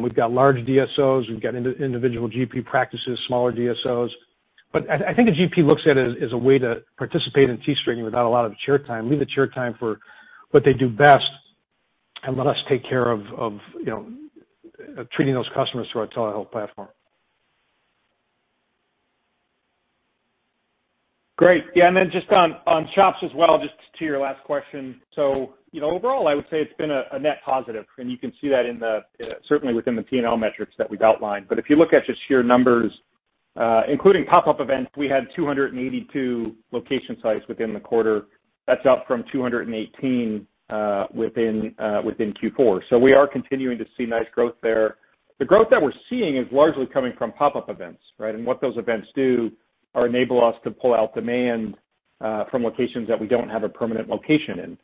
We've got large DSOs, we've got individual GP practices, smaller DSOs. I think a GP looks at it as a way to participate in teeth straightening without a lot of chair time. Leave the chair time for what they do best, let us take care of treating those customers through our telehealth platform. Great. Then just on SmileShops as well, just to your last question. Overall, I would say it's been a net positive, and you can see that certainly within the P&L metrics that we've outlined. If you look at just sheer numbers, including pop-up events, we had 282 location sites within the quarter. That's up from 218 within Q4. We are continuing to see nice growth there. The growth that we're seeing is largely coming from pop-up events. What those events do are enable us to pull out demand from locations that we don't have a permanent location in.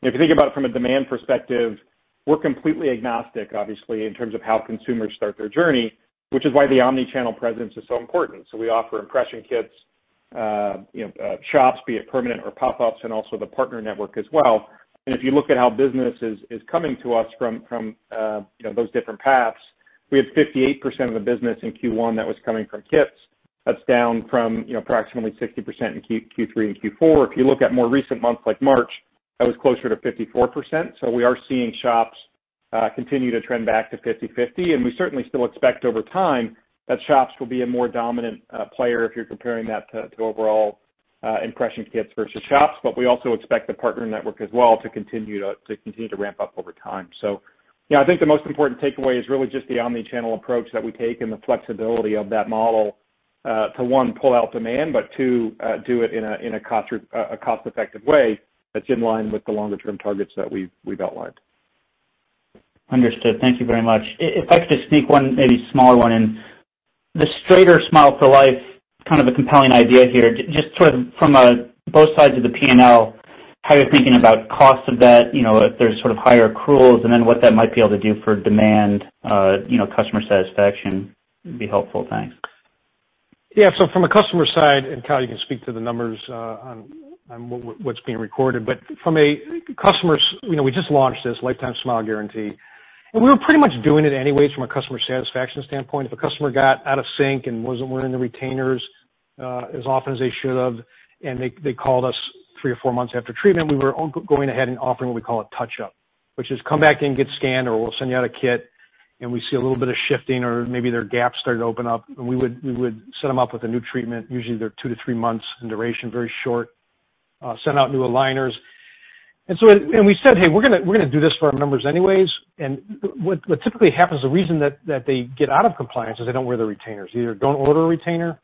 If you think about it from a demand perspective, we're completely agnostic, obviously, in terms of how consumers start their journey, which is why the omni-channel presence is so important. We offer impression kits, SmileShops, be it permanent or pop-ups, and also the partner network as well. If you look at how business is coming to us from those different paths, we had 58% of the business in Q1 that was coming from kits. That's down from approximately 60% in Q3 and Q4. If you look at more recent months like March, that was closer to 54%. We are seeing SmileShops continue to trend back to 50/50, and we certainly still expect over time that SmileShops will be a more dominant player if you're comparing that to overall impression kits versus SmileShops. We also expect the partner network as well to continue to ramp up over time. Yeah, I think the most important takeaway is really just the omni-channel approach that we take and the flexibility of that model, to one, pull out demand, but two, do it in a cost-effective way that's in line with the longer-term targets that we've outlined. Understood. Thank you very much. If I could just sneak one maybe smaller one in. The Lifetime Smile Guarantee, kind of a compelling idea here, just sort of from both sides of the P&L, how you're thinking about cost of that, if there's sort of higher accruals, and then what that might be able to do for demand, customer satisfaction, would be helpful. Thanks. Yeah. From a customer side, Kyle, you can speak to the numbers on what's being recorded, we just launched this Lifetime Smile Guarantee, and we were pretty much doing it anyway from a customer satisfaction standpoint. If a customer got out of sync and wasn't wearing the retainers as often as they should have, they called us three or four months after treatment, we were going ahead and offering what we call a touch-up, which is come back in and get scanned, or we'll send you out a kit, and we see a little bit of shifting or maybe their gaps started to open up, we would set them up with a new treatment, usually they're two to three months in duration, very short, send out new aligners. We said, "Hey, we're going to do this for our members anyways." What typically happens, the reason that they get out of compliance is they don't wear the retainers. They either don't order a retainer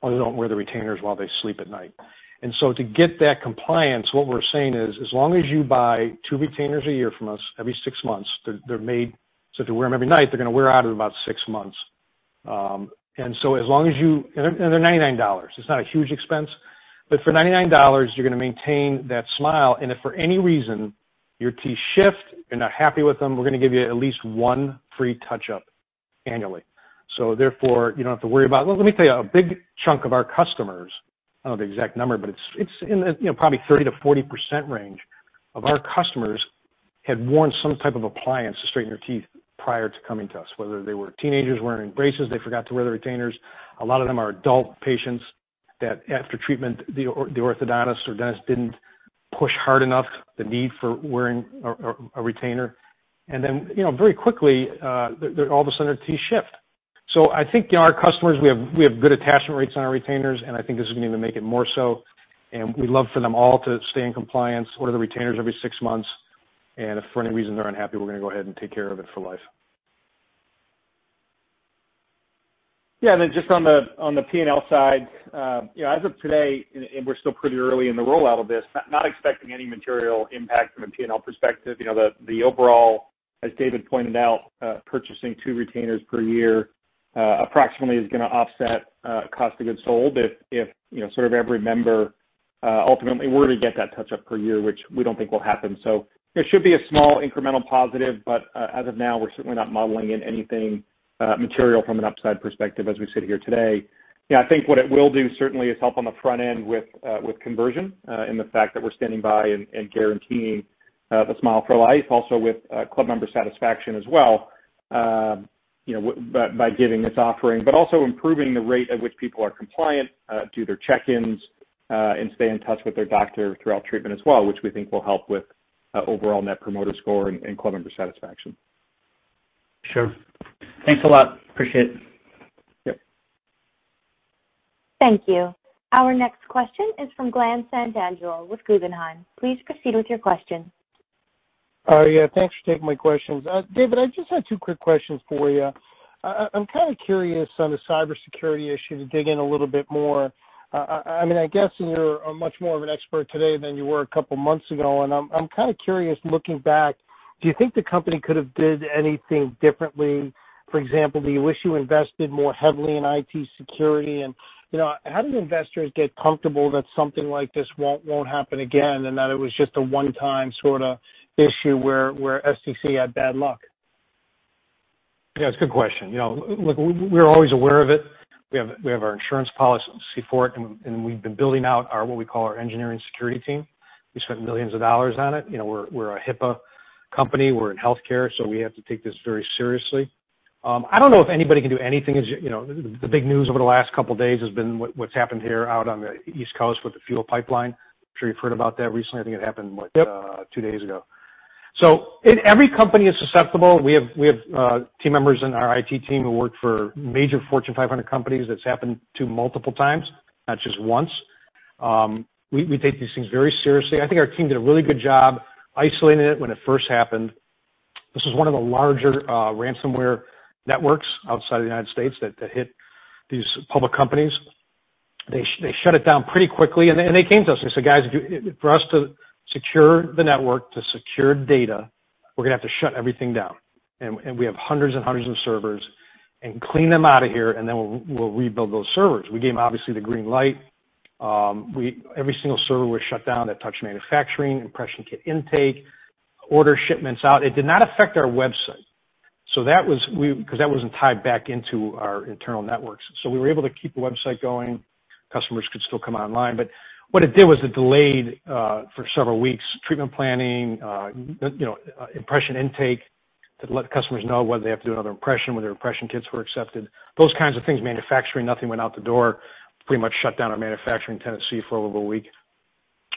or they don't wear the retainers while they sleep at night. To get that compliance, what we're saying is, as long as you buy two retainers a year from us, every six months, they're made so if you wear them every night, they're going to wear out in about six months. They're $99. It's not a huge expense. For $99, you're going to maintain that smile, and if for any reason your teeth shift, you're not happy with them, we're going to give you at least one free touch-up annually. Therefore, let me tell you, a big chunk of our customers, I don't know the exact number, but it's in probably 30%-40% range of our customers had worn some type of appliance to straighten their teeth prior to coming to us, whether they were teenagers wearing braces, they forgot to wear the retainers. A lot of them are adult patients that after treatment, the orthodontist or dentist didn't push hard enough the need for wearing a retainer. Then very quickly, all of a sudden, their teeth shift. I think our customers, we have good attachment rates on our retainers, and I think this is going to make it more so. We'd love for them all to stay in compliance, order the retainers every six months, and if for any reason they're unhappy, we're going to go ahead and take care of it for life. Just on the P&L side, as of today, and we're still pretty early in the rollout of this, not expecting any material impact from a P&L perspective. The overall, as David pointed out, purchasing two retainers per year approximately is going to offset cost of goods sold if sort of every member ultimately were to get that touch-up per year, which we don't think will happen. It should be a small incremental positive, but as of now, we're certainly not modeling in anything material from an upside perspective as we sit here today. Yeah, I think what it will do certainly is help on the front end with conversion, and the fact that we're standing by and guaranteeing the Smile for Life, also with club member satisfaction as well by giving this offering. Also improving the rate at which people are compliant, do their check-ins, and stay in touch with their doctor throughout treatment as well, which we think will help with overall net promoter score and club member satisfaction. Sure. Thanks a lot. Appreciate it. Yep. Thank you. Our next question is from Glen Santangelo with Guggenheim. Please proceed with your question. Yeah, thanks for taking my questions. David, I just had two quick questions for you. I'm kind of curious on the cybersecurity issue, to dig in a little bit more. I guess you're much more of an expert today than you were a couple of months ago. I'm kind of curious, looking back, do you think the company could have did anything differently? For example, do you wish you invested more heavily in IT security? How do investors get comfortable that something like this won't happen again and that it was just a one-time sort of issue where SDC had bad luck? Yeah, it's a good question. Look, we're always aware of it. We have our insurance policy for it, and we've been building out our, what we call our engineering security team. We spent millions of dollars on it. We're a HIPAA company. We're in healthcare, so we have to take this very seriously. I don't know if anybody can do anything. The big news over the last couple of days has been what's happened here out on the East Coast with the fuel pipeline. I'm sure you've heard about that recently. I think it happened.. Yep ...two days ago. Every company is susceptible. We have team members in our IT team who worked for major Fortune 500 companies that it's happened to multiple times, not just once. We take these things very seriously. I think our team did a really good job isolating it when it first happened. This is one of the larger ransomware networks outside of the U.S. that hit these public companies. They shut it down pretty quickly, and they came to us and they said, "Guys, for us to secure the network, to secure data, we're going to have to shut everything down." We have hundreds and hundreds of servers, clean them out of here, then we'll rebuild those servers. We gave them, obviously, the green light. Every single server was shut down that touched manufacturing, impression kit intake, order shipments out. It did not affect our website because that wasn't tied back into our internal networks. We were able to keep the website going. Customers could still come online. What it did was it delayed, for several weeks, treatment planning, impression intake to let customers know whether they have to do another impression, whether their impression kits were accepted, those kinds of things. Manufacturing, nothing went out the door. Pretty much shut down our manufacturing in Tennessee for a little over a week.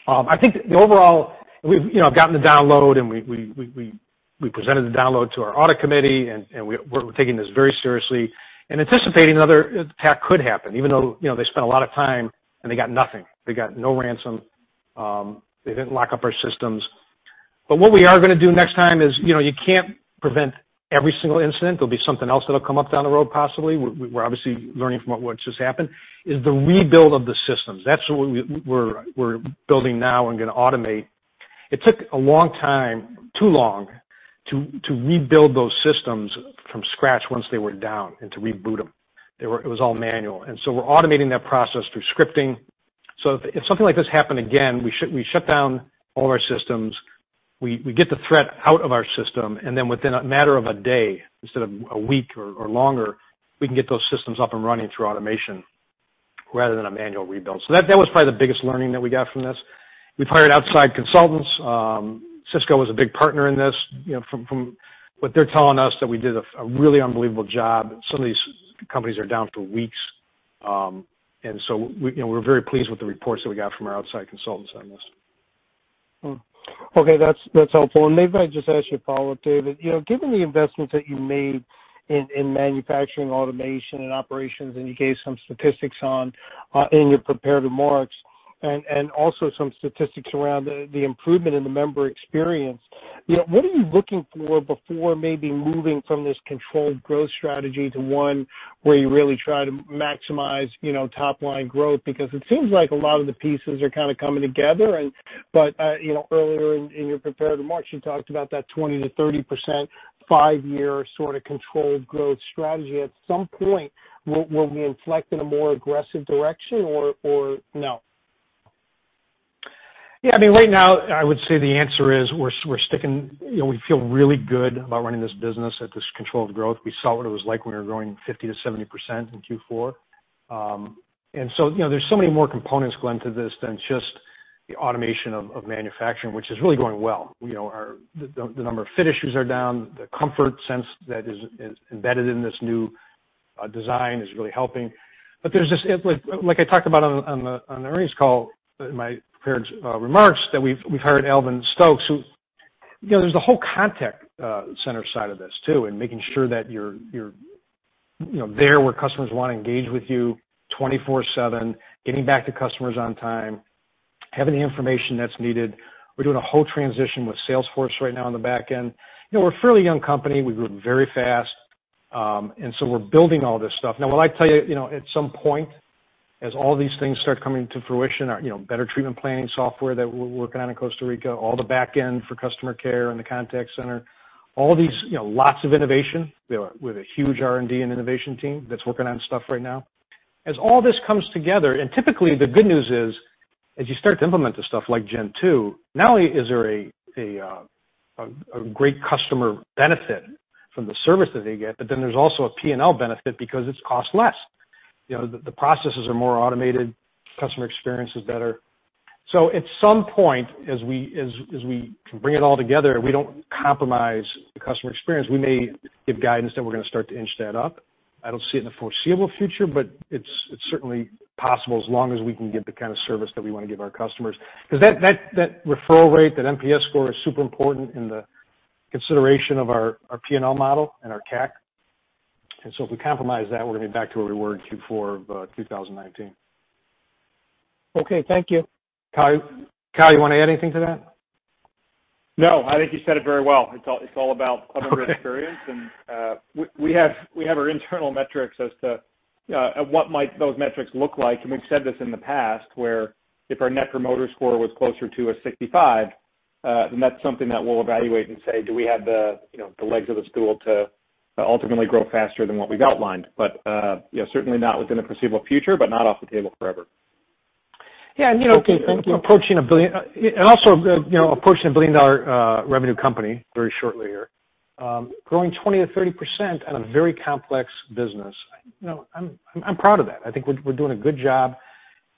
I think the overall, we've gotten the download, and we presented the download to our audit committee, and we're taking this very seriously and anticipating another attack could happen, even though they spent a lot of time and they got nothing. They got no ransom. They didn't lock up our systems. What we are going to do next time is, you can't prevent every single incident. There'll be something else that'll come up down the road, possibly. We're obviously learning from what just happened, is the rebuild of the systems. That's what we're building now and going to automate. It took a long time, too long, to rebuild those systems from scratch once they were down and to reboot them. It was all manual. We're automating that process through scripting, so if something like this happened again, we shut down all of our systems, we get the threat out of our system, and then within a matter of a day, instead of a week or longer, we can get those systems up and running through automation rather than a manual rebuild. That was probably the biggest learning that we got from this. We've hired outside consultants. Cisco was a big partner in this. From what they're telling us, that we did a really unbelievable job. Some of these companies are down for weeks. We're very pleased with the reports that we got from our outside consultants on this. Okay, that's helpful. Maybe if I can just ask you a follow-up, David. Given the investments that you made in manufacturing automation and operations, and you gave some statistics on in your prepared remarks, and also some statistics around the improvement in the member experience, what are you looking for before maybe moving from this controlled growth strategy to one where you really try to maximize top-line growth? It seems like a lot of the pieces are kind of coming together. Earlier in your prepared remarks, you talked about that 20%-30% five-year sort of controlled growth strategy. At some point, will we inflect in a more aggressive direction or no? Yeah, right now, I would say the answer is we feel really good about running this business at this controlled growth. We saw what it was like when we were growing 50% to 70% in Q4. There's so many more components, Glen, to this than just the automation of manufacturing, which is really going well. The number of fit issues are down. The Comfort Sense that is embedded in this new design is really helping. Like I talked about on the earnings call in my prepared remarks, that we've hired Alvin Stokes, There's the whole contact center side of this too, and making sure that you're there where customers want to engage with you 24/7, getting back to customers on time, having the information that's needed. We're doing a whole transition with Salesforce right now on the back end. We're a fairly young company. We grew very fast, we're building all this stuff. Will I tell you, at some point, as all these things start coming to fruition, our better treatment planning software that we're working on in Costa Rica, all the back end for customer care and the contact center, lots of innovation. We have a huge R&D and innovation team that's working on stuff right now. As all this comes together, typically the good news is, as you start to implement this stuff like Gen 2, not only is there a great customer benefit from the service that they get, there's also a P&L benefit because it costs less. The processes are more automated, customer experience is better. At some point, as we can bring it all together, we don't compromise the customer experience. We may give guidance that we're going to start to inch that up. I don't see it in the foreseeable future, but it's certainly possible as long as we can give the kind of service that we want to give our customers. Because that referral rate, that NPS score, is super important in the consideration of our P&L model and our CAC. If we compromise that, we're going to be back to where we were in Q4 of 2019. Okay. Thank you. Kyle, you want to add anything to that? No, I think you said it very well. It's all about customer experience. We have our internal metrics as to what might those metrics look like, and we've said this in the past, where if our net promoter score was closer to a 65, then that's something that we'll evaluate and say, "Do we have the legs of the stool to ultimately grow faster than what we've outlined?" Certainly not within the foreseeable future, but not off the table forever. Yeah. Okay, thank you. Also approaching a billion-dollar revenue company very shortly here. Growing 20%-30% on a very complex business. I'm proud of that. I think we're doing a good job.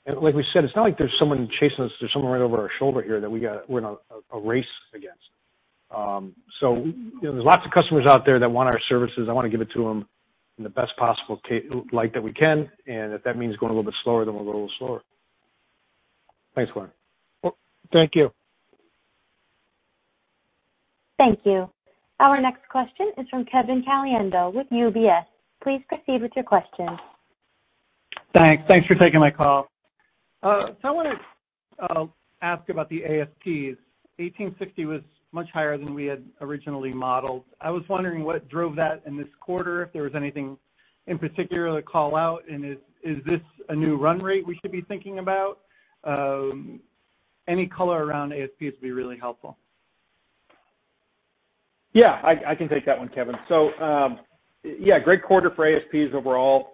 Like we said, it's not like there's someone chasing us, there's someone right over our shoulder here that we're in a race against. There's lots of customers out there that want our services. I want to give it to them in the best possible light that we can, and if that means going a little bit slower, then we'll go a little slower. Thanks, Glen. Thank you. Thank you. Our next question is from Kevin Caliendo with UBS. Please proceed with your question. Thanks for taking my call. I want to ask about the ASPs. $1,860 was much higher than we had originally modeled. I was wondering what drove that in this quarter, if there was anything in particular to call out, and is this a new run rate we should be thinking about? Any color around ASPs would be really helpful. Yeah, I can take that one, Kevin. Great quarter for ASPs overall.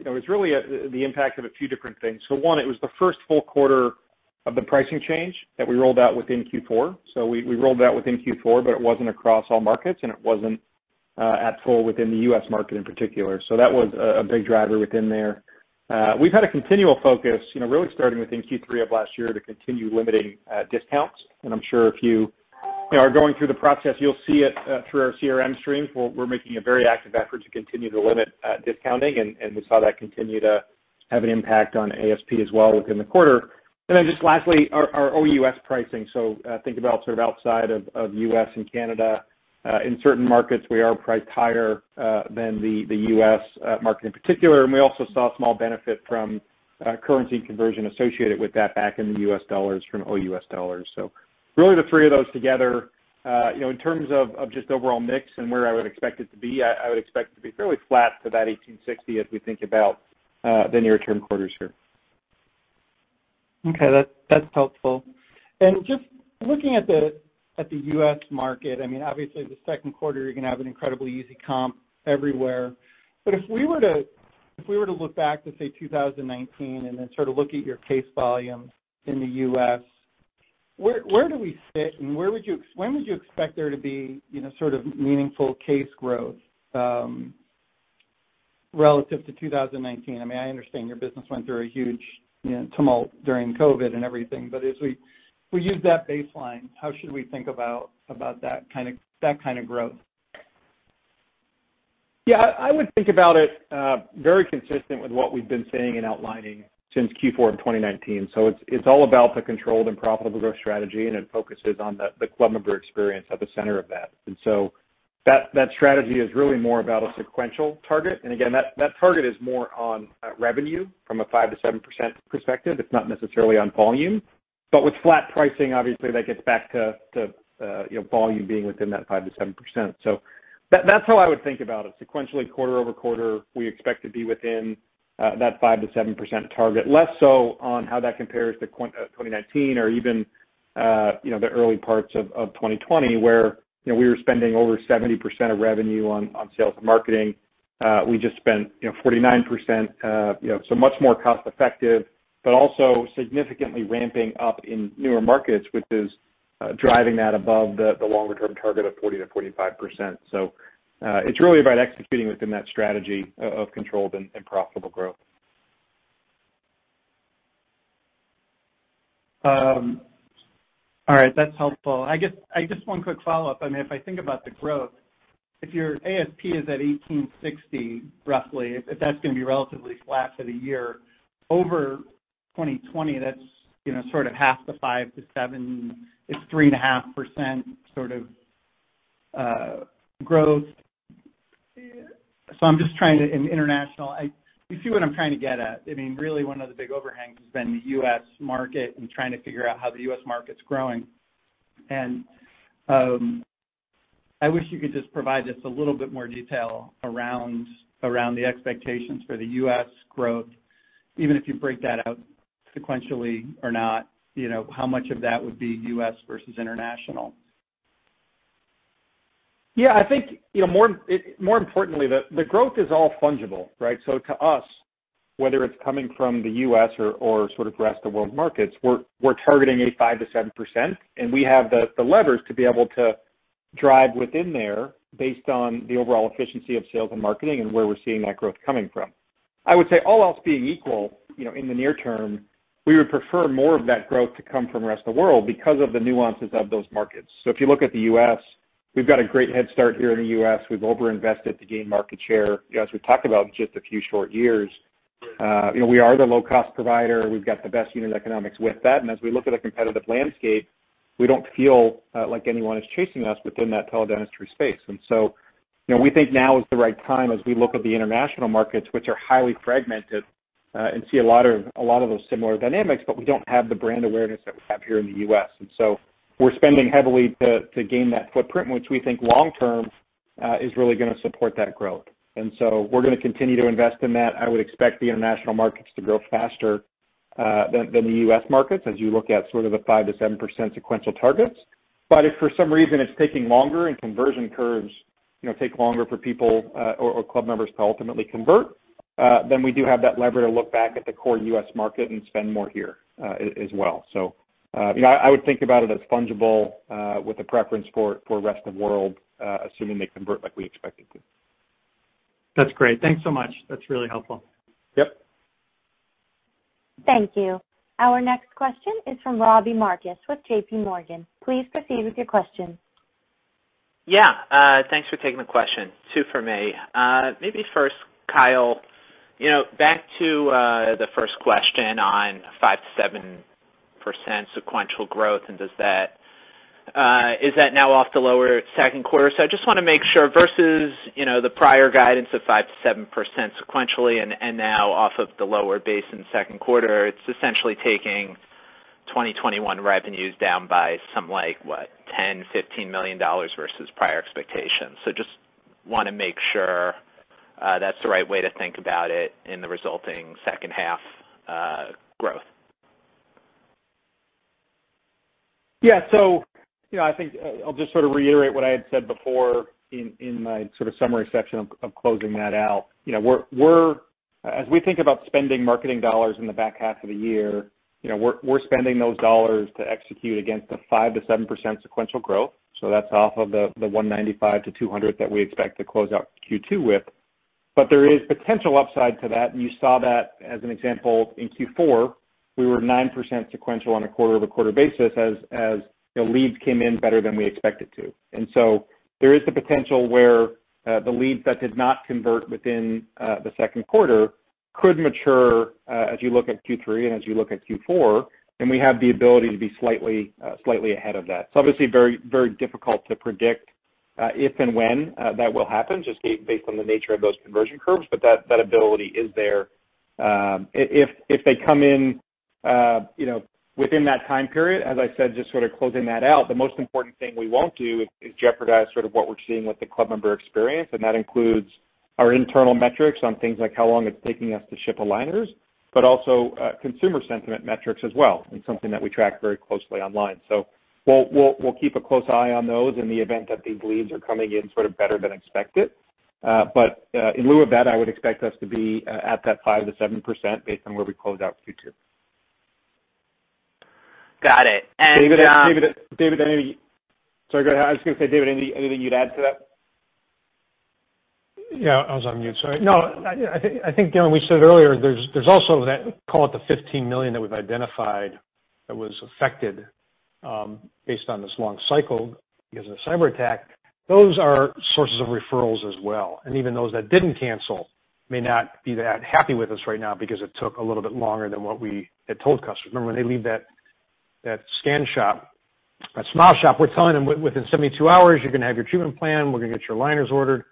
It was really the impact of a few different things. One, it was the first full quarter of the pricing change that we rolled out within Q4. We rolled it out within Q4, but it wasn't across all markets, and it wasn't at full within the U.S. market in particular. That was a big driver within there. We've had a continual focus, really starting within Q3 of last year, to continue limiting discounts. I'm sure if you are going through the process, you'll see it through our CRM streams. We're making a very active effort to continue to limit discounting, and we saw that continue to have an impact on ASP as well within the quarter. Then just lastly, our OUS pricing. Think about sort of outside of U.S. and Canada. In certain markets, we are priced higher than the U.S. market in particular, and we also saw a small benefit from currency conversion associated with that back in the U.S. dollars from OUS dollars. Really the three of those together. In terms of just overall mix and where I would expect it to be, I would expect it to be fairly flat to that 1860 as we think about the near-term quarters here. Okay. That's helpful. Just looking at the U.S. market, obviously the second quarter, you're going to have an incredibly easy comp everywhere. If we were to look back to, say, 2019 and then sort of look at your case volumes in the U.S., where do we sit, and when would you expect there to be sort of meaningful case growth relative to 2019? I understand your business went through a huge tumult during COVID and everything, but as we use that baseline, how should we think about that kind of growth? Yeah. I would think about it very consistent with what we've been saying and outlining since Q4 of 2019. It's all about the controlled and profitable growth strategy, and it focuses on the club member experience at the center of that. That strategy is really more about a sequential target. Again, that target is more on revenue from a 5%-7% perspective. It's not necessarily on volume. With flat pricing, obviously that gets back to volume being within that 5%-7%. That's how I would think about it. Sequentially quarter-over-quarter, we expect to be within that 5%-7% target, less so on how that compares to 2019 or even the early parts of 2020, where we were spending over 70% of revenue on sales and marketing. We just spent 49%, so much more cost-effective, but also significantly ramping up in newer markets, which is driving that above the longer-term target of 40%-45%. It's really about executing within that strategy of controlled and profitable growth. All right. That's helpful. Just one quick follow-up. If I think about the growth. If your ASP is at $1,860, roughly, if that's going to be relatively flat for the year, over 2020, that's sort of half the 5% to 7%, it's 3.5% sort of growth. I'm just trying to, you see what I'm trying to get at. Really, one of the big overhangs has been the U.S. market and trying to figure out how the U.S. market's growing. I wish you could just provide just a little bit more detail around the expectations for the U.S. growth, even if you break that out sequentially or not, how much of that would be U.S. versus international. I think, more importantly, the growth is all fungible, right? To us, whether it's coming from the U.S. or sort of the rest of world markets, we're targeting a 5%-7%, and we have the levers to be able to drive within there based on the overall efficiency of sales and marketing and where we're seeing that growth coming from. I would say all else being equal, in the near term, we would prefer more of that growth to come from rest of world because of the nuances of those markets. If you look at the U.S., we've got a great head start here in the U.S. We've over-invested to gain market share. As we've talked about just a few short years, we are the low-cost provider. We've got the best unit economics with that. As we look at a competitive landscape, we don't feel like anyone is chasing us within that teledentistry space. We think now is the right time as we look at the international markets, which are highly fragmented, and see a lot of those similar dynamics, but we don't have the brand awareness that we have here in the U.S. We're spending heavily to gain that footprint, which we think long term, is really going to support that growth. We're going to continue to invest in that. I would expect the international markets to grow faster than the U.S. markets as you look at sort of the 5%-7% sequential targets. If for some reason it's taking longer and conversion curves take longer for people or club members to ultimately convert, then we do have that lever to look back at the core U.S. market and spend more here as well. I would think about it as fungible with a preference for rest of world, assuming they convert like we expect it to. That's great. Thanks so much. That's really helpful. Yep. Thank you. Our next question is from Robbie Marcus with JPMorgan. Please proceed with your question. Thanks for taking the question. Two from me. Maybe first, Kyle, back to the first question on 5%-7% sequential growth, and is that now off the lower second quarter? I just want to make sure, versus the prior guidance of 5%-7% sequentially and now off of the lower base in the second quarter, it's essentially taking 2021 revenues down by some, like, what, $10 million, $15 million versus prior expectations. Just want to make sure that's the right way to think about it in the resulting second half growth. I think I'll just sort of reiterate what I had said before in my sort of summary section of closing that out. As we think about spending marketing dollars in the back half of the year, we're spending those dollars to execute against the 5%-7% sequential growth. That's off of the $195-$200 that we expect to close out Q2 with. There is potential upside to that, and you saw that as an example in Q4. We were 9% sequential on a quarter-over-quarter basis as leads came in better than we expected to. There is the potential where the leads that did not convert within the second quarter could mature as you look at Q3 and as you look at Q4, and we have the ability to be slightly ahead of that. It's obviously very difficult to predict if and when that will happen, just based on the nature of those conversion curves, but that ability is there. If they come in within that time period, as I said, just sort of closing that out, the most important thing we won't do is jeopardize sort of what we're seeing with the club member experience, and that includes our internal metrics on things like how long it's taking us to ship aligners, but also consumer sentiment metrics as well, and something that we track very closely online. We'll keep a close eye on those in the event that these leads are coming in sort of better than expected. In lieu of that, I would expect us to be at that 5%-7% based on where we close out Q2. Got it. David, sorry, go ahead. I was going to say, David, anything you'd add to that? Yeah. I was on mute, sorry. I think given we said earlier, there's also that, call it the 15 million that we've identified that was affected based on this long cycle because of the cyber attack. Those are sources of referrals as well. Even those that didn't cancel may not be that happy with us right now because it took a little bit longer than what we had told customers. Remember, when they leave that scan shop, that SmileShop, we're telling them, "Within 72 hours, you're going to have your treatment plan. We're going to get your aligners ordered."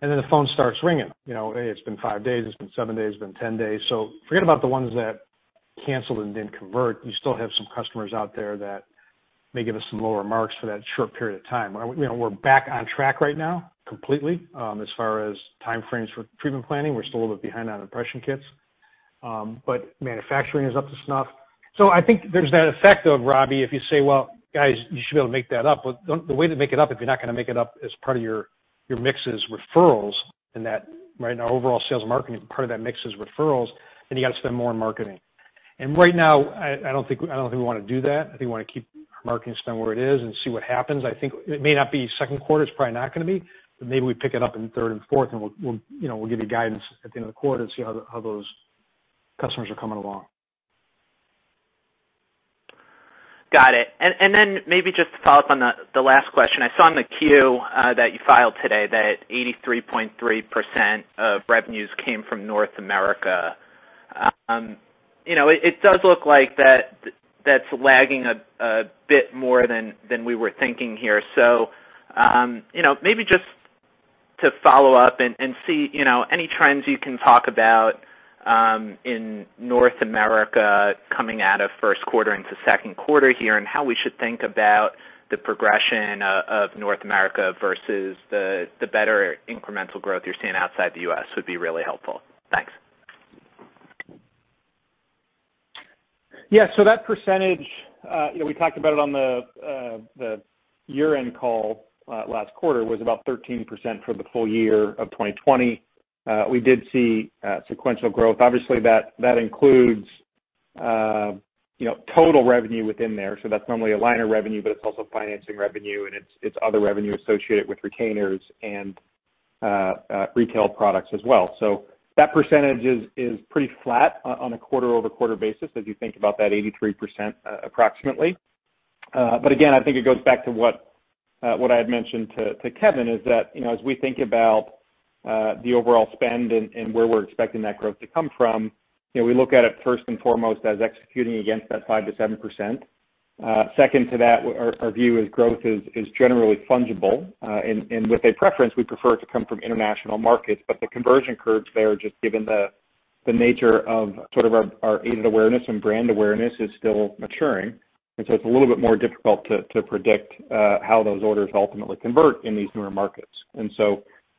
Then the phone starts ringing. "Hey, it's been five days, it's been seven days, it's been 10 days." Forget about the ones that canceled and didn't convert. You still have some customers out there that may give us some lower marks for that short period of time. We're back on track right now completely, as far as time frames for treatment planning. We're still a little behind on impression kits. Manufacturing is up to snuff. I think there's that effect, though, Robbie, if you say, "Well, guys, you should be able to make that up." The way to make it up, if you're not going to make it up as part of your mix's referrals and that right now overall sales and marketing part of that mix is referrals, then you got to spend more on marketing. Right now, I don't think we want to do that. I think we want to keep our marketing spend where it is and see what happens. I think it may not be second quarter. It's probably not going to be, but maybe we pick it up in third and fourth, and we'll give you guidance at the end of the quarter and see how those customers are coming along. Got it. Maybe just to follow up on the last question, I saw in the Q that you filed today that 83.3% of revenues came from North America. It does look like that's lagging a bit more than we were thinking here. Maybe just to follow up and see any trends you can talk about in North America coming out of first quarter into second quarter here, and how we should think about the progression of North America versus the better incremental growth you're seeing outside the U.S. would be really helpful. Thanks. Yeah. That percentage we talked about it on the year-end call last quarter was about 13% for the full year of 2020. We did see sequential growth, obviously that includes total revenue within there. That's normally a line of revenue, but it's also financing revenue and it's other revenue associated with retainers and retail products as well. That percentage is pretty flat on a quarter-over-quarter basis as you think about that 83% approximately. Again, I think it goes back to what I had mentioned to Kevin is that, as we think about the overall spend and where we're expecting that growth to come from, we look at it first and foremost as executing against that 5%-7%. Second to that, our view is growth is generally fungible. With a preference, we prefer it to come from international markets, but the conversion curves there, just given the nature of sort of our aided awareness and brand awareness is still maturing. It's a little bit more difficult to predict how those orders ultimately convert in these newer markets.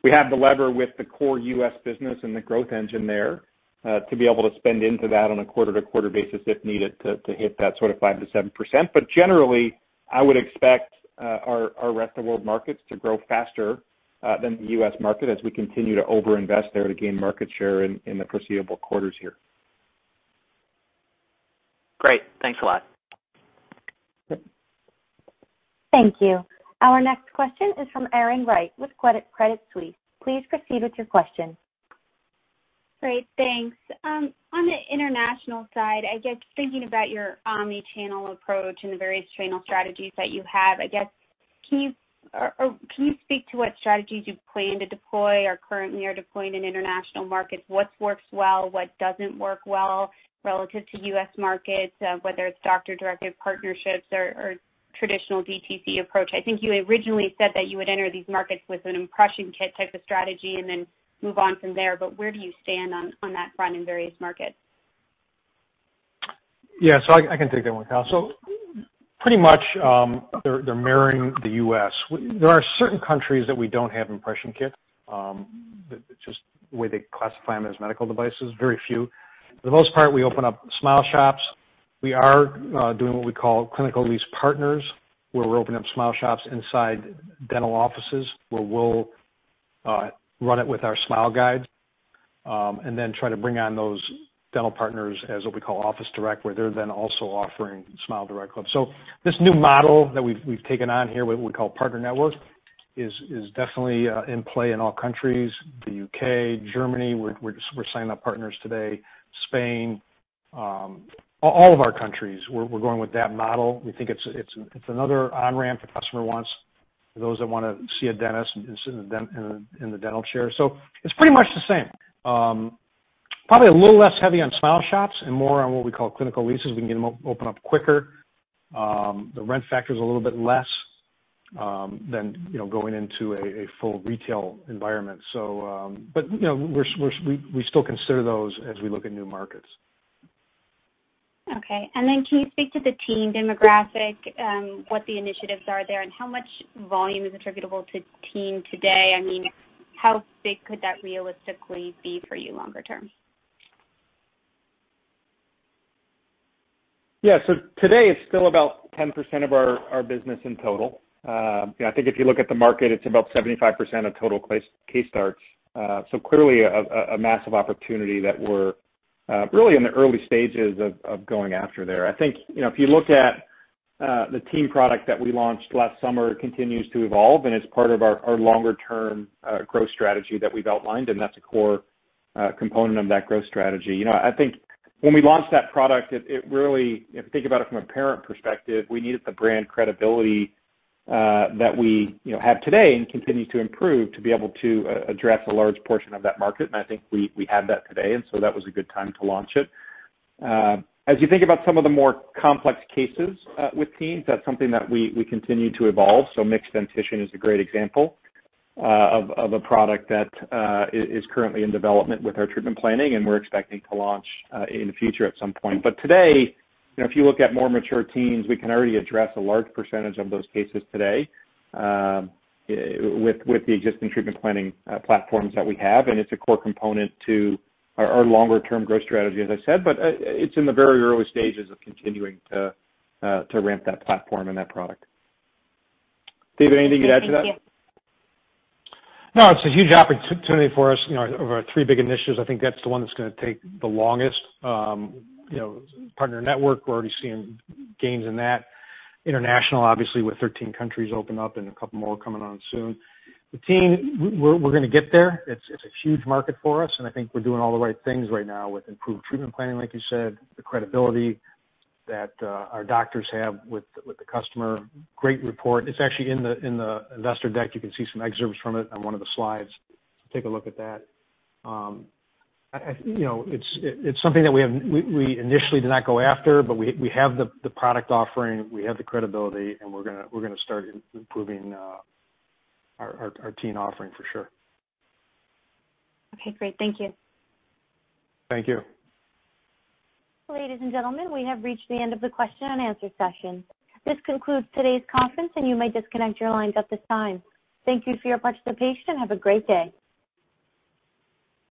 We have the lever with the core U.S. business and the growth engine there, to be able to spend into that on a quarter-to-quarter basis if needed to hit that sort of 5% to 7%. Generally, I would expect our rest of world markets to grow faster than the U.S. market as we continue to over-invest there to gain market share in the foreseeable quarters here. Great. Thanks a lot. Thank you. Our next question is from Erin Wright with Credit Suisse. Please proceed with your question. Great. Thanks. On the international side, I guess thinking about your omni-channel approach and the various channel strategies that you have, I guess, can you speak to what strategies you plan to deploy or currently are deploying in international markets? What works well, what doesn't work well relative to U.S. markets, whether it's doctor-directed partnerships or traditional DTC approach? I think you originally said that you would enter these markets with an impression kit type of strategy and then move on from there, but where do you stand on that front in various markets? Yeah. I can take that one, Kyle. Pretty much, they're mirroring the U.S. There are certain countries that we don't have impression kit, just the way they classify them as medical devices, very few. For the most part, we open up SmileShops. We are doing what we call clinical lease partners, where we're opening up SmileShops inside dental offices, where we'll run it with our smile guides, and then try to bring on those dental partners as what we call office direct, where they're then also offering SmileDirectClub. This new model that we've taken on here, what we call partner network is definitely in play in all countries, the U.K., Germany, we're signing up partners today, Spain. All of our countries, we're going with that model. We think it's another on-ramp if a customer wants, for those that want to see a dentist and sit in the dental chair. It's pretty much the same. Probably a little less heavy on SmileShops and more on what we call clinical leases. We can open up quicker. The rent factor is a little bit less than going into a full retail environment. We still consider those as we look at new markets. Okay. Can you speak to the teen demographic, what the initiatives are there, and how much volume is attributable to teen today? How big could that realistically be for you longer term? Today it's still about 10% of our business in total. If you look at the market, it's about 75% of total case starts. Clearly a massive opportunity that we're really in the early stages of going after there. If you look at the teen product that we launched last summer, it continues to evolve and it's part of our longer-term growth strategy that we've outlined, and that's a core component of that growth strategy. When we launched that product, if you think about it from a parent perspective, we needed the brand credibility that we have today and continue to improve to be able to address a large portion of that market, and I think we have that today, that was a good time to launch it. You think about some of the more complex cases with teens, that's something that we continue to evolve. Mixed dentition is a great example of a product that is currently in development with our treatment planning, and we're expecting to launch in the future at some point. Today, if you look at more mature teens, we can already address a large percentage of those cases today with the existing treatment planning platforms that we have, and it's a core component to our longer-term growth strategy, as I said. It's in the very early stages of continuing to ramp that platform and that product. David, anything you'd add to that? Thank you. No, it's a huge opportunity for us. Of our three big initiatives, I think that's the one that's going to take the longest. Partner network, we're already seeing gains in that. International, obviously with 13 countries opened up and a couple more coming on soon. The teen, we're going to get there. It's a huge market for us, and I think we're doing all the right things right now with improved treatment planning, like you said, the credibility that our doctors have with the customer, great report. It's actually in the investor deck. You can see some excerpts from it on one of the slides. Take a look at that. It's something that we initially did not go after, but we have the product offering, we have the credibility, and we're going to start improving our teen offering for sure. Okay, great. Thank you. Thank you. Ladies and gentlemen, we have reached the end of the question and answer session. This concludes today's conference, and you may disconnect your lines at this time. Thank you for your participation and have a great day.